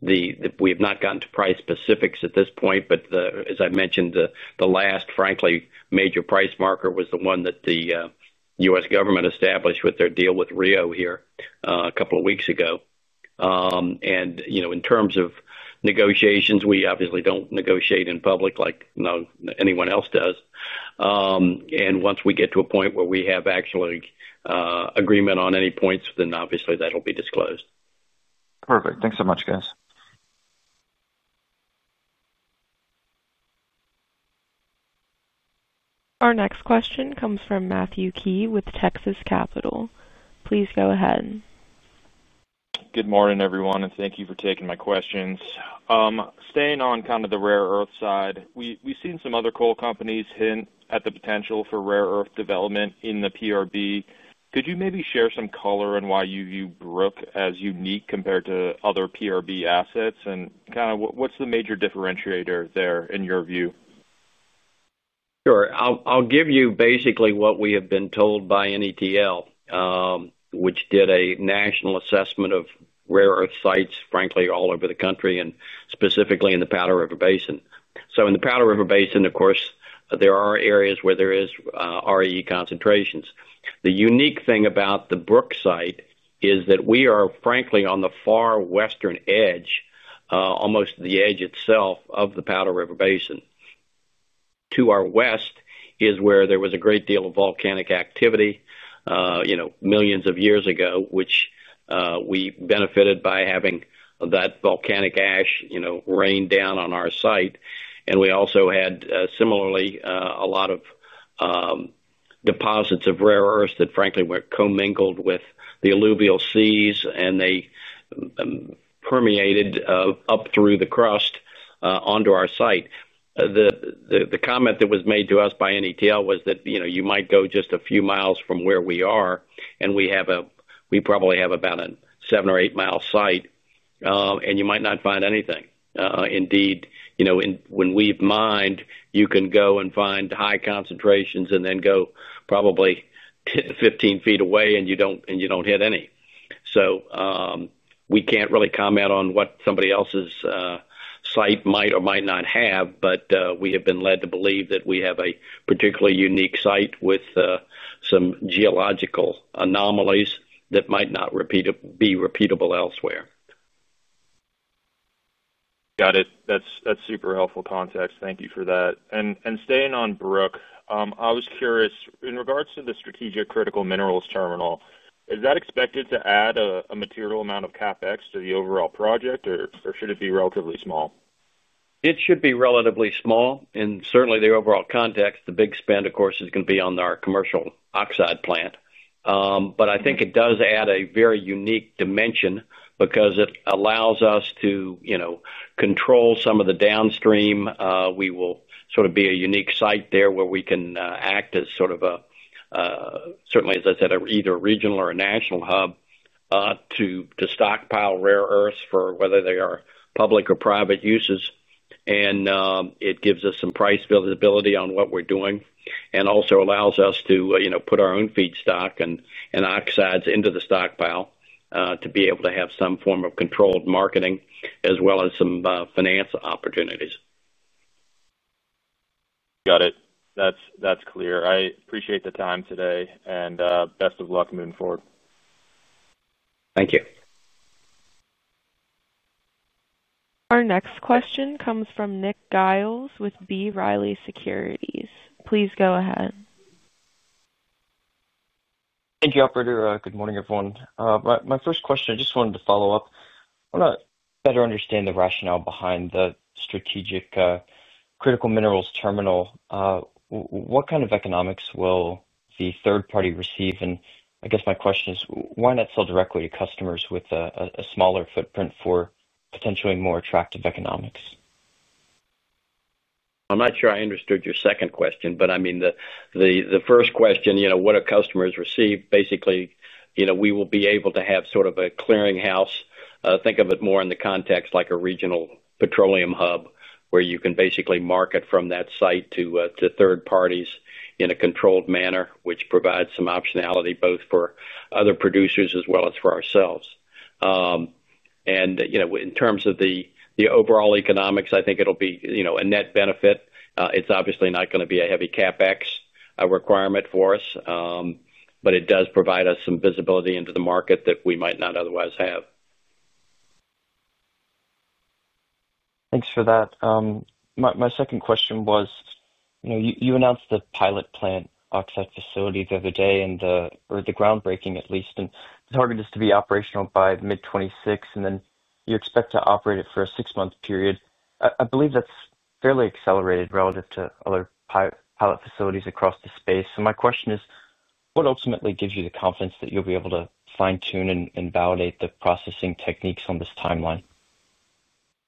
C: We have not gotten to price specifics at this point, but as I mentioned, the last, frankly, major price marker was the one that the U.S. government established with their deal with Rio here a couple of weeks ago. In terms of negotiations, we obviously don't negotiate in public like anyone else does. Once we get to a point where we have actually agreement on any points, then obviously that'll be disclosed.
G: Perfect. Thanks so much, guys.
A: Our next question comes from Matthew Key with Texas Capital. Please go ahead.
H: Good morning, everyone, and thank you for taking my questions. Staying on kind of the rare earth side, we've seen some other coal companies hint at the potential for rare earth development in the PRB. Could you maybe share some color on why you view Brook as unique compared to other PRB assets? What's the major differentiator there in your view?
C: Sure. I'll give you basically what we have been told by NETL, which did a national assessment of rare earth sites, frankly, all over the country and specifically in the Powder River Basin. In the Powder River Basin, of course, there are areas where there is REE concentrations. The unique thing about the Brook site is that we are, frankly, on the far western edge, almost the edge itself of the Powder River Basin. To our west is where there was a great deal of volcanic activity, you know, millions of years ago, which we benefited by having that volcanic ash rain down on our site. We also had, similarly, a lot of deposits of rare earths that, frankly, were commingled with the alluvial seas, and they permeated up through the crust onto our site. The comment that was made to us by NETL was that you might go just a few miles from where we are, and we probably have about a seven or eight-mile site, and you might not find anything. Indeed, when we've mined, you can go and find high concentrations and then go probably 10 ft-15 ft away, and you don't hit any. We can't really comment on what somebody else's site might or might not have, but we have been led to believe that we have a particularly unique site with some geological anomalies that might not be repeatable elsewhere.
H: Got it. That's super helpful context. Thank you for that. Staying on Brook, I was curious, in regards to the Strategic Critical Minerals Terminal, is that expected to add a material amount of CapEx to the overall project, or should it be relatively small?
C: It should be relatively small. Certainly, the overall context, the big spend, of course, is going to be on our commercial oxide plant. I think it does add a very unique dimension because it allows us to control some of the downstream. We will sort of be a unique site there where we can act as sort of a, certainly, as I said, either a regional or a national hub to stockpile rare earths for whether they are public or private uses. It gives us some price visibility on what we're doing and also allows us to put our own feedstock and oxides into the stockpile to be able to have some form of controlled marketing as well as some finance opportunities.
H: Got it. That's clear. I appreciate the time today, and best of luck moving forward.
C: Thank you.
A: Our next question comes from Nick Giles with B. Riley Securities. Please go ahead.
I: Thank you, operator. Good morning, everyone. My first question, I just wanted to follow up. I want to better understand the rationale behind the Strategic Critical Minerals Terminal. What kind of economics will the third party receive? I guess my question is, why not sell directly to customers with a smaller footprint for potentially more attractive economics?
C: I'm not sure I understood your second question, but the first question, you know, what do customers receive? Basically, you know, we will be able to have sort of a clearinghouse. Think of it more in the context like a regional petroleum hub where you can basically market from that site to third parties in a controlled manner, which provides some optionality both for other producers as well as for ourselves. In terms of the overall economics, I think it'll be a net benefit. It's obviously not going to be a heavy CapEx requirement for us, but it does provide us some visibility into the market that we might not otherwise have.
I: Thanks for that. My second question was, you announced the pilot plant oxide facility the other day or the groundbreaking, at least. The target is to be operational by mid-2026, and you expect to operate it for a six-month period. I believe that's fairly accelerated relative to other pilot facilities across the space. My question is, what ultimately gives you the confidence that you'll be able to fine-tune and validate the processing techniques on this timeline?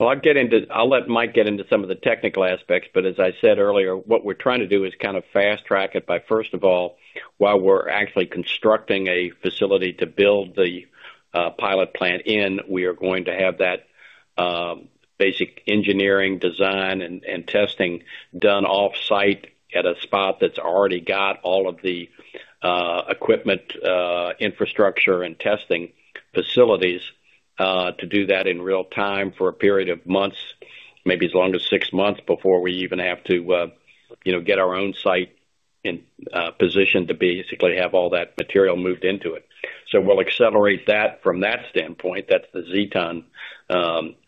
C: I'll let Mike get into some of the technical aspects. As I said earlier, what we're trying to do is kind of fast-track it by, first of all, while we're actually constructing a facility to build the pilot plant in, we are going to have that basic engineering design and testing done off-site at a spot that's already got all of the equipment, infrastructure, and testing facilities to do that in real time for a period of months, maybe as long as six months before we even have to get our own site in position to basically have all that material moved into it. We'll accelerate that from that standpoint. That's the Zeton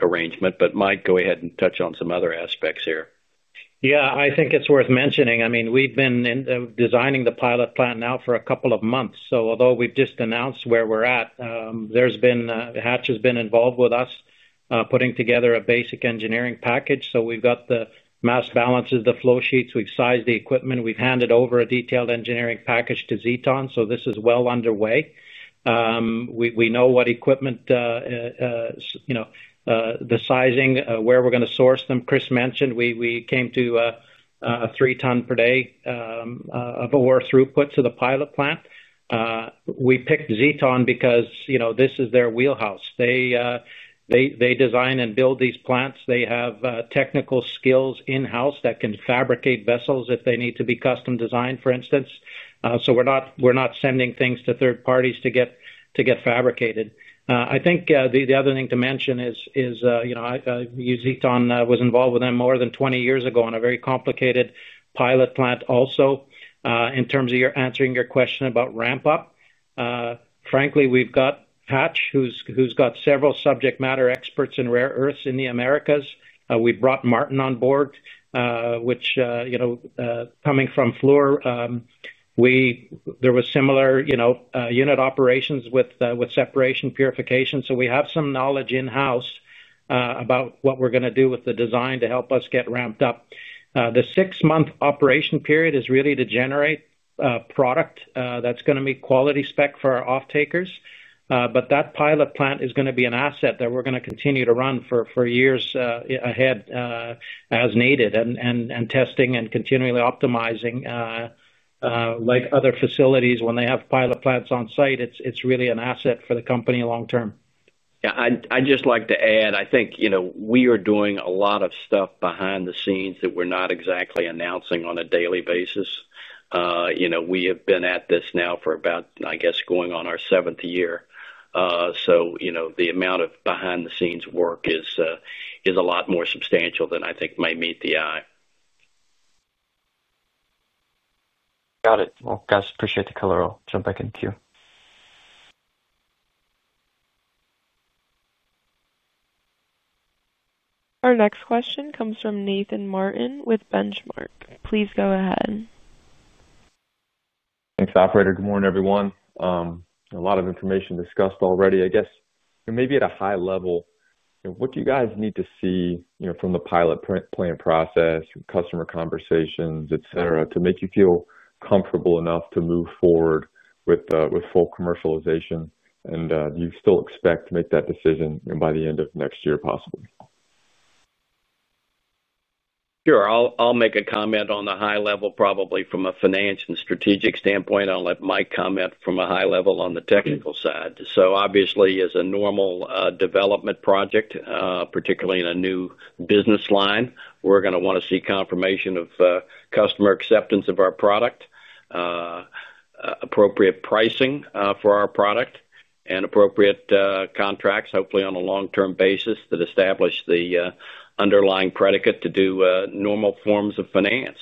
C: arrangement. Mike, go ahead and touch on some other aspects here.
D: Yeah, I think it's worth mentioning. We've been designing the pilot plant now for a couple of months. Although we've just announced where we're at, Hatch has been involved with us, putting together a basic engineering package. We've got the mass balances, the flow sheets. We've sized the equipment. We've handed over a detailed engineering package to Zeton. This is well underway. We know what equipment, the sizing, where we're going to source them. Chris mentioned we came to a 3-ton per day of ore throughput to the pilot plant. We picked Zeton because this is their wheelhouse. They design and build these plants. They have technical skills in-house that can fabricate vessels if they need to be custom designed, for instance. We're not sending things to third parties to get fabricated. I think the other thing to mention is, you know, I, Zeton, was involved with them more than 20 years ago on a very complicated pilot plant also. In terms of answering your question about ramp-up, frankly, we've got Hatch, who's got several subject matter experts in rare earths in the Americas. We brought Martin on board, which, coming from Fluor, there was similar unit operations with separation purification. We have some knowledge in-house about what we're going to do with the design to help us get ramped up. The six-month operation period is really to generate product that's going to be quality spec for our off-takers. That pilot plant is going to be an asset that we're going to continue to run for years ahead, as needed, and testing and continually optimizing, like other facilities. When they have pilot plants on site, it's really an asset for the company long term.
C: Yeah, I'd just like to add, I think, you know, we are doing a lot of stuff behind the scenes that we're not exactly announcing on a daily basis. You know, we have been at this now for about, I guess, going on our seventh year, so the amount of behind-the-scenes work is a lot more substantial than I think may meet the eye.
I: Got it. Guys, appreciate the color. I'll jump back in too.
A: Our next question comes from Nathan Martin with Benchmark. Please go ahead.
J: Thanks, operator. Good morning, everyone. A lot of information discussed already. I guess, you know, maybe at a high level, what do you guys need to see from the pilot plant process, customer conversations, etc., to make you feel comfortable enough to move forward with full commercialization? Do you still expect to make that decision by the end of next year, possibly?
C: Sure. I'll make a comment on the high level, probably from a finance and strategic standpoint. I'll let Mike comment from a high level on the technical side. Obviously, as a normal development project, particularly in a new business line, we're going to want to see confirmation of customer acceptance of our product, appropriate pricing for our product, and appropriate contracts, hopefully on a long-term basis that establish the underlying predicate to do normal forms of finance.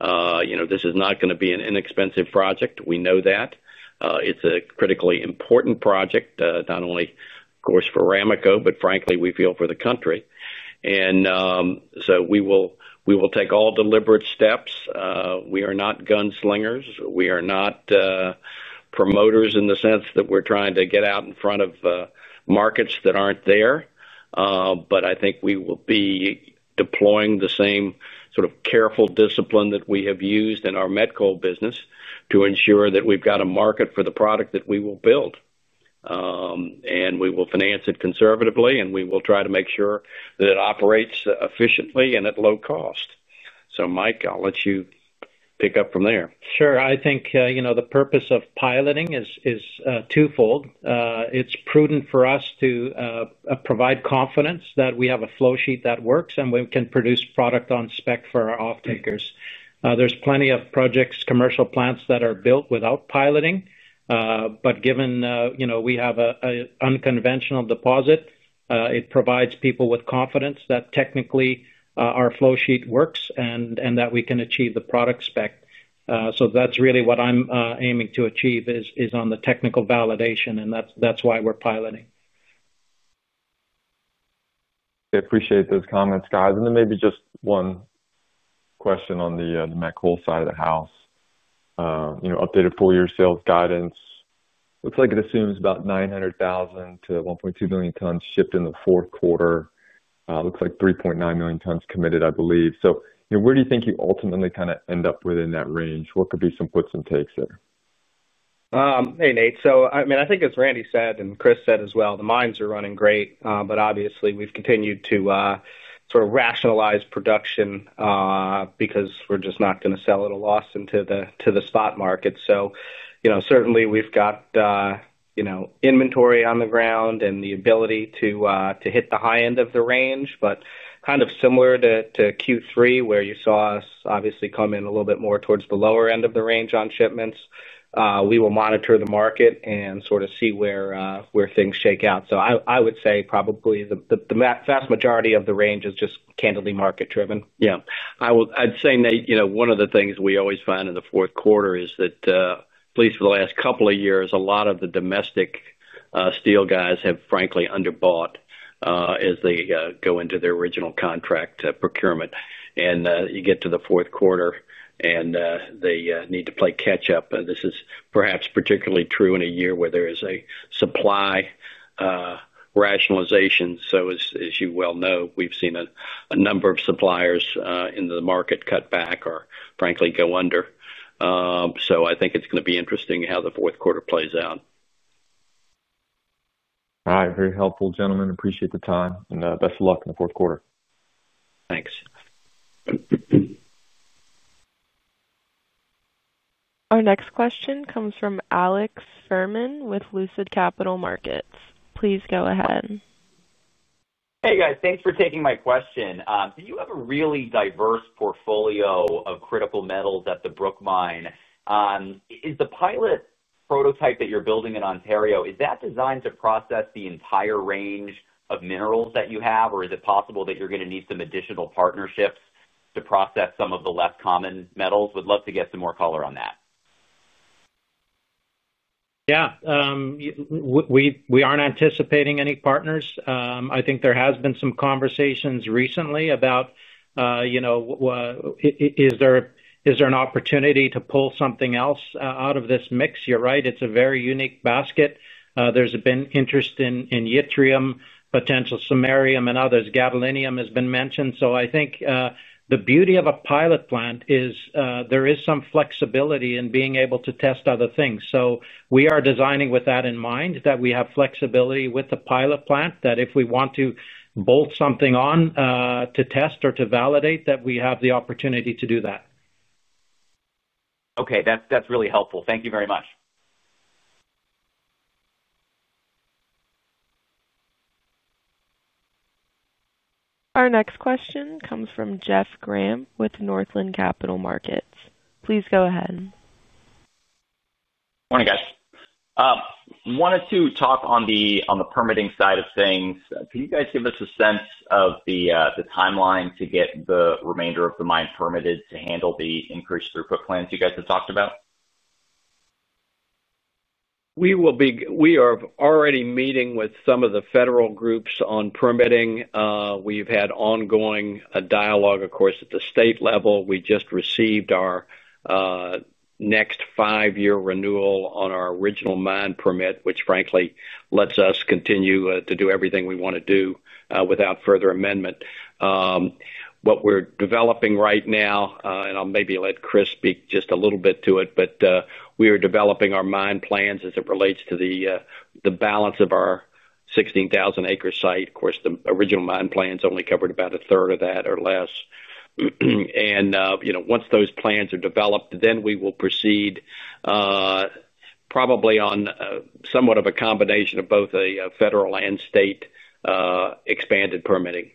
C: You know, this is not going to be an inexpensive project. We know that. It's a critically important project, not only, of course, for Ramaco, but frankly, we feel for the country. We will take all deliberate steps. We are not gunslingers. We are not promoters in the sense that we're trying to get out in front of markets that aren't there. I think we will be deploying the same sort of careful discipline that we have used in our metallurgical coal business to ensure that we've got a market for the product that we will build. We will finance it conservatively, and we will try to make sure that it operates efficiently and at low cost. Mike, I'll let you pick up from there.
D: Sure. I think the purpose of piloting is twofold. It's prudent for us to provide confidence that we have a flow sheet that works and we can produce product on spec for our off-takers. There's plenty of projects, commercial plants that are built without piloting. Given we have an unconventional deposit, it provides people with confidence that technically our flow sheet works and that we can achieve the product spec. That's really what I'm aiming to achieve, on the technical validation, and that's why we're piloting.
J: I appreciate those comments, guys. Maybe just one question on the met coal side of the house. You know, updated full-year sales guidance looks like it assumes about 900,000 tons-1.2 million tons shipped in the fourth quarter. Looks like 3.9 million tons committed, I believe. Where do you think you ultimately kind of end up within that range? What could be some puts and takes there?
D: Hey, Nate. I think as Randy said and Chris said as well, the mines are running great, but obviously, we've continued to sort of rationalize production, because we're just not going to sell it at a loss into the spot market. Certainly, we've got inventory on the ground and the ability to hit the high end of the range. Kind of similar to Q3, where you saw us obviously come in a little bit more towards the lower end of the range on shipments, we will monitor the market and sort of see where things shake out. I would say probably the vast majority of the range is just candidly market-driven.
C: Yeah. I'd say, Nate, one of the things we always find in the fourth quarter is that, at least for the last couple of years, a lot of the domestic steel guys have, frankly, underbought as they go into their original contract procurement. You get to the fourth quarter, and they need to play catch-up. This is perhaps particularly true in a year where there is a supply rationalization. As you well know, we've seen that. Number of suppliers in the market cut back or frankly go under. I think it's going to be interesting how the fourth quarter plays out.
J: All right. Very helpful, gentlemen. Appreciate the time, and best of luck in the fourth quarter.
C: Thanks.
A: Our next question comes from Alex Fuhrman with Lucid Capital Markets. Please go ahead.
K: Hey, guys. Thanks for taking my question. You have a really diverse portfolio of critical minerals at the Brook Mine. Is the pilot prototype that you're building in Ontario designed to process the entire range of minerals that you have, or is it possible that you're going to need some additional partnerships to process some of the less common metals? We'd love to get some more color on that.
D: Yeah, we aren't anticipating any partners. I think there has been some conversations recently about, you know, is there an opportunity to pull something else out of this mix? You're right. It's a very unique basket. There's been interest in yttrium, potential samarium, and others. Gadolinium has been mentioned. I think the beauty of a pilot plant is there is some flexibility in being able to test other things. We are designing with that in mind, that we have flexibility with the pilot plant, that if we want to bolt something on to test or to validate, we have the opportunity to do that.
K: Okay, that's really helpful. Thank you very much.
A: Our next question comes from Jeff Grampp with Northland Capital Markets. Please go ahead.
L: Morning, guys. I wanted to talk on the permitting side of things. Can you guys give us a sense of the timeline to get the remainder of the mine permitted to handle the increased throughput plans you guys have talked about?
C: We are already meeting with some of the federal groups on permitting. We've had ongoing dialogue, of course, at the state level. We just received our next five-year renewal on our original mine permit, which frankly lets us continue to do everything we want to do without further amendment. What we're developing right now, and I'll maybe let Chris speak just a little bit to it, but we are developing our mine plans as it relates to the balance of our 16,000-acre site. Of course, the original mine plans only covered about a third of that or less. Once those plans are developed, then we will proceed, probably on somewhat of a combination of both a federal and state expanded permitting.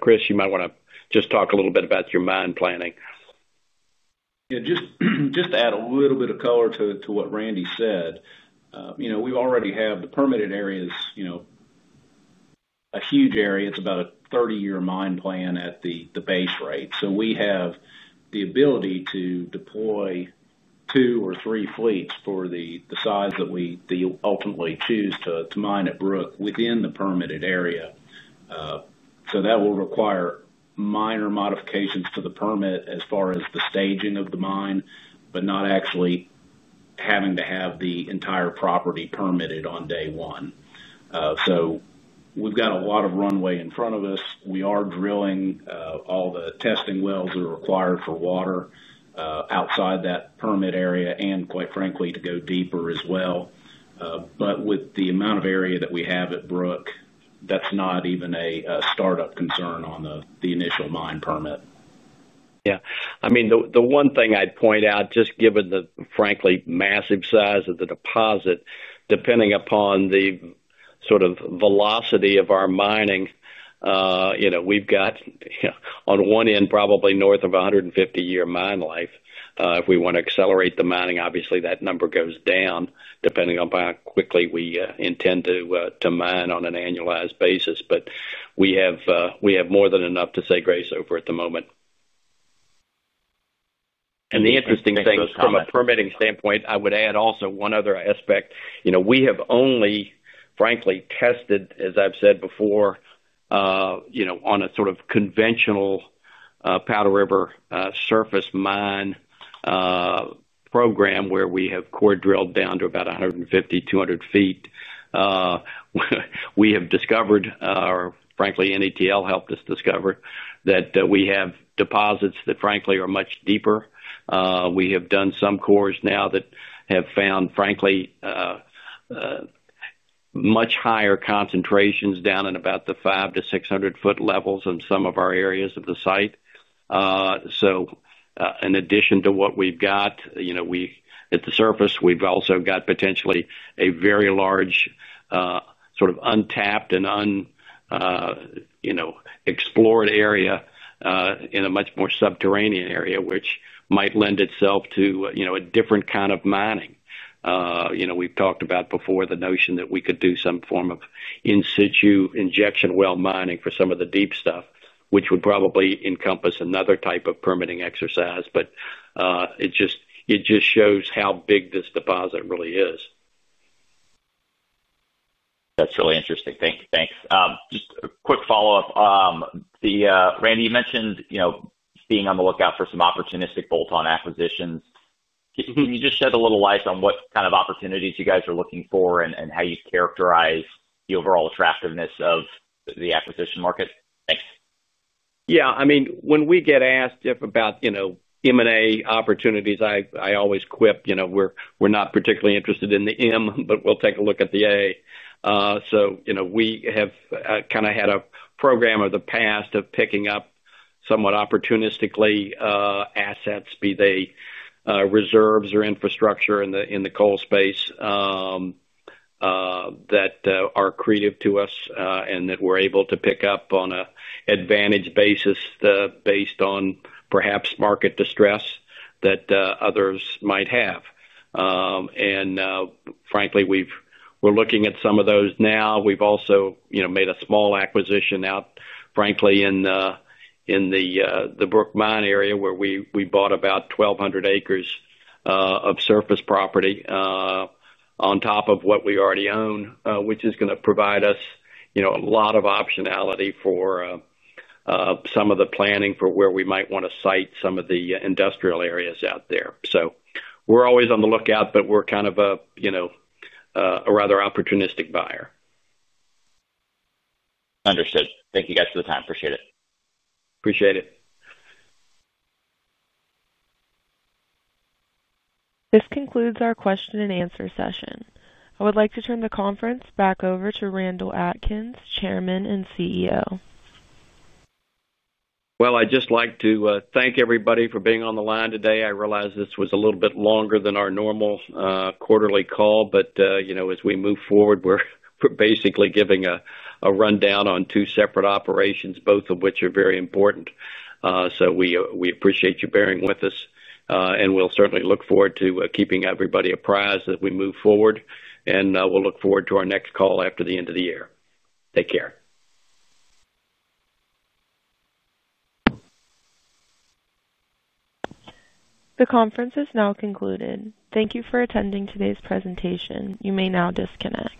C: Chris, you might want to just talk a little bit about your mine planning.
E: Yeah, just to add a little bit of color to what Randy said, we already have the permitted areas, a huge area. It's about a 30-year mine plan at the base rate. We have the ability to deploy two or three fleets for the size that we ultimately choose to mine at Brook within the permitted area. That will require minor modifications to the permit as far as the staging of the mine, but not actually having to have the entire property permitted on day one. We've got a lot of runway in front of us. We are drilling all the testing wells that are required for water outside that permit area, and quite frankly, to go deeper as well. With the amount of area that we have at Brook, that's not even a startup concern on the initial mine permit.
C: Yeah. I mean, the one thing I'd point out, just given the frankly massive size of the deposit, depending upon the sort of velocity of our mining, we've got, on one end, probably north of a 150-year mine life. If we want to accelerate the mining, obviously, that number goes down depending upon how quickly we intend to mine on an annualized basis. We have more than enough to say grace over at the moment. The interesting thing is, from a permitting standpoint, I would add also one other aspect. We have only, frankly, tested, as I've said before, on a sort of conventional Powder River surface mine program where we have core drilled down to about 150 ft, 200 ft. We have discovered, or frankly, NETL helped us discover, that we have deposits that are much deeper. We have done some cores now that have found much higher concentrations down in about the 500 ft-600 ft levels in some of our areas of the site. In addition to what we've got at the surface, we've also got potentially a very large, sort of untapped and unexplored area in a much more subterranean area, which might lend itself to a different kind of mining. We've talked about before the notion that we could do some form of in situ injection well mining for some of the deep stuff, which would probably encompass another type of permitting exercise. It just shows how big this deposit really is.
L: That's really interesting. Thank you. Thanks. Just a quick follow-up. Randy, you mentioned being on the lookout for some opportunistic bolt-on acquisitions. Can you shed a little light on what kind of opportunities you guys are looking for, and how you'd characterize the overall attractiveness of the acquisition market? Thanks.
C: Yeah. I mean, when we get asked about, you know, M&A opportunities, I always quip, you know, we're not particularly interested in the M, but we'll take a look at the A. You know, we have kind of had a program in the past of picking up somewhat opportunistically assets, be they reserves or infrastructure in the coal space, that are accretive to us, and that we're able to pick up on an advantage basis, based on perhaps market distress that others might have. Frankly, we're looking at some of those now. We've also made a small acquisition out, frankly, in the Brook Mine area where we bought about 1,200 acres of surface property on top of what we already own, which is going to provide us a lot of optionality for some of the planning for where we might want to site some of the industrial areas out there. We're always on the lookout, but we're kind of a rather opportunistic buyer.
L: Understood. Thank you guys for the time. Appreciate it.
C: Appreciate it.
A: This concludes our question and answer session. I would like to turn the conference back over to Randall Atkins, Chairman and CEO.
C: I'd just like to thank everybody for being on the line today. I realize this was a little bit longer than our normal quarterly call, but as we move forward, we're basically giving a rundown on two separate operations, both of which are very important. We appreciate you bearing with us, and we'll certainly look forward to keeping everybody apprised as we move forward. We'll look forward to our next call after the end of the year. Take care.
A: The conference is now concluded. Thank you for attending today's presentation. You may now disconnect.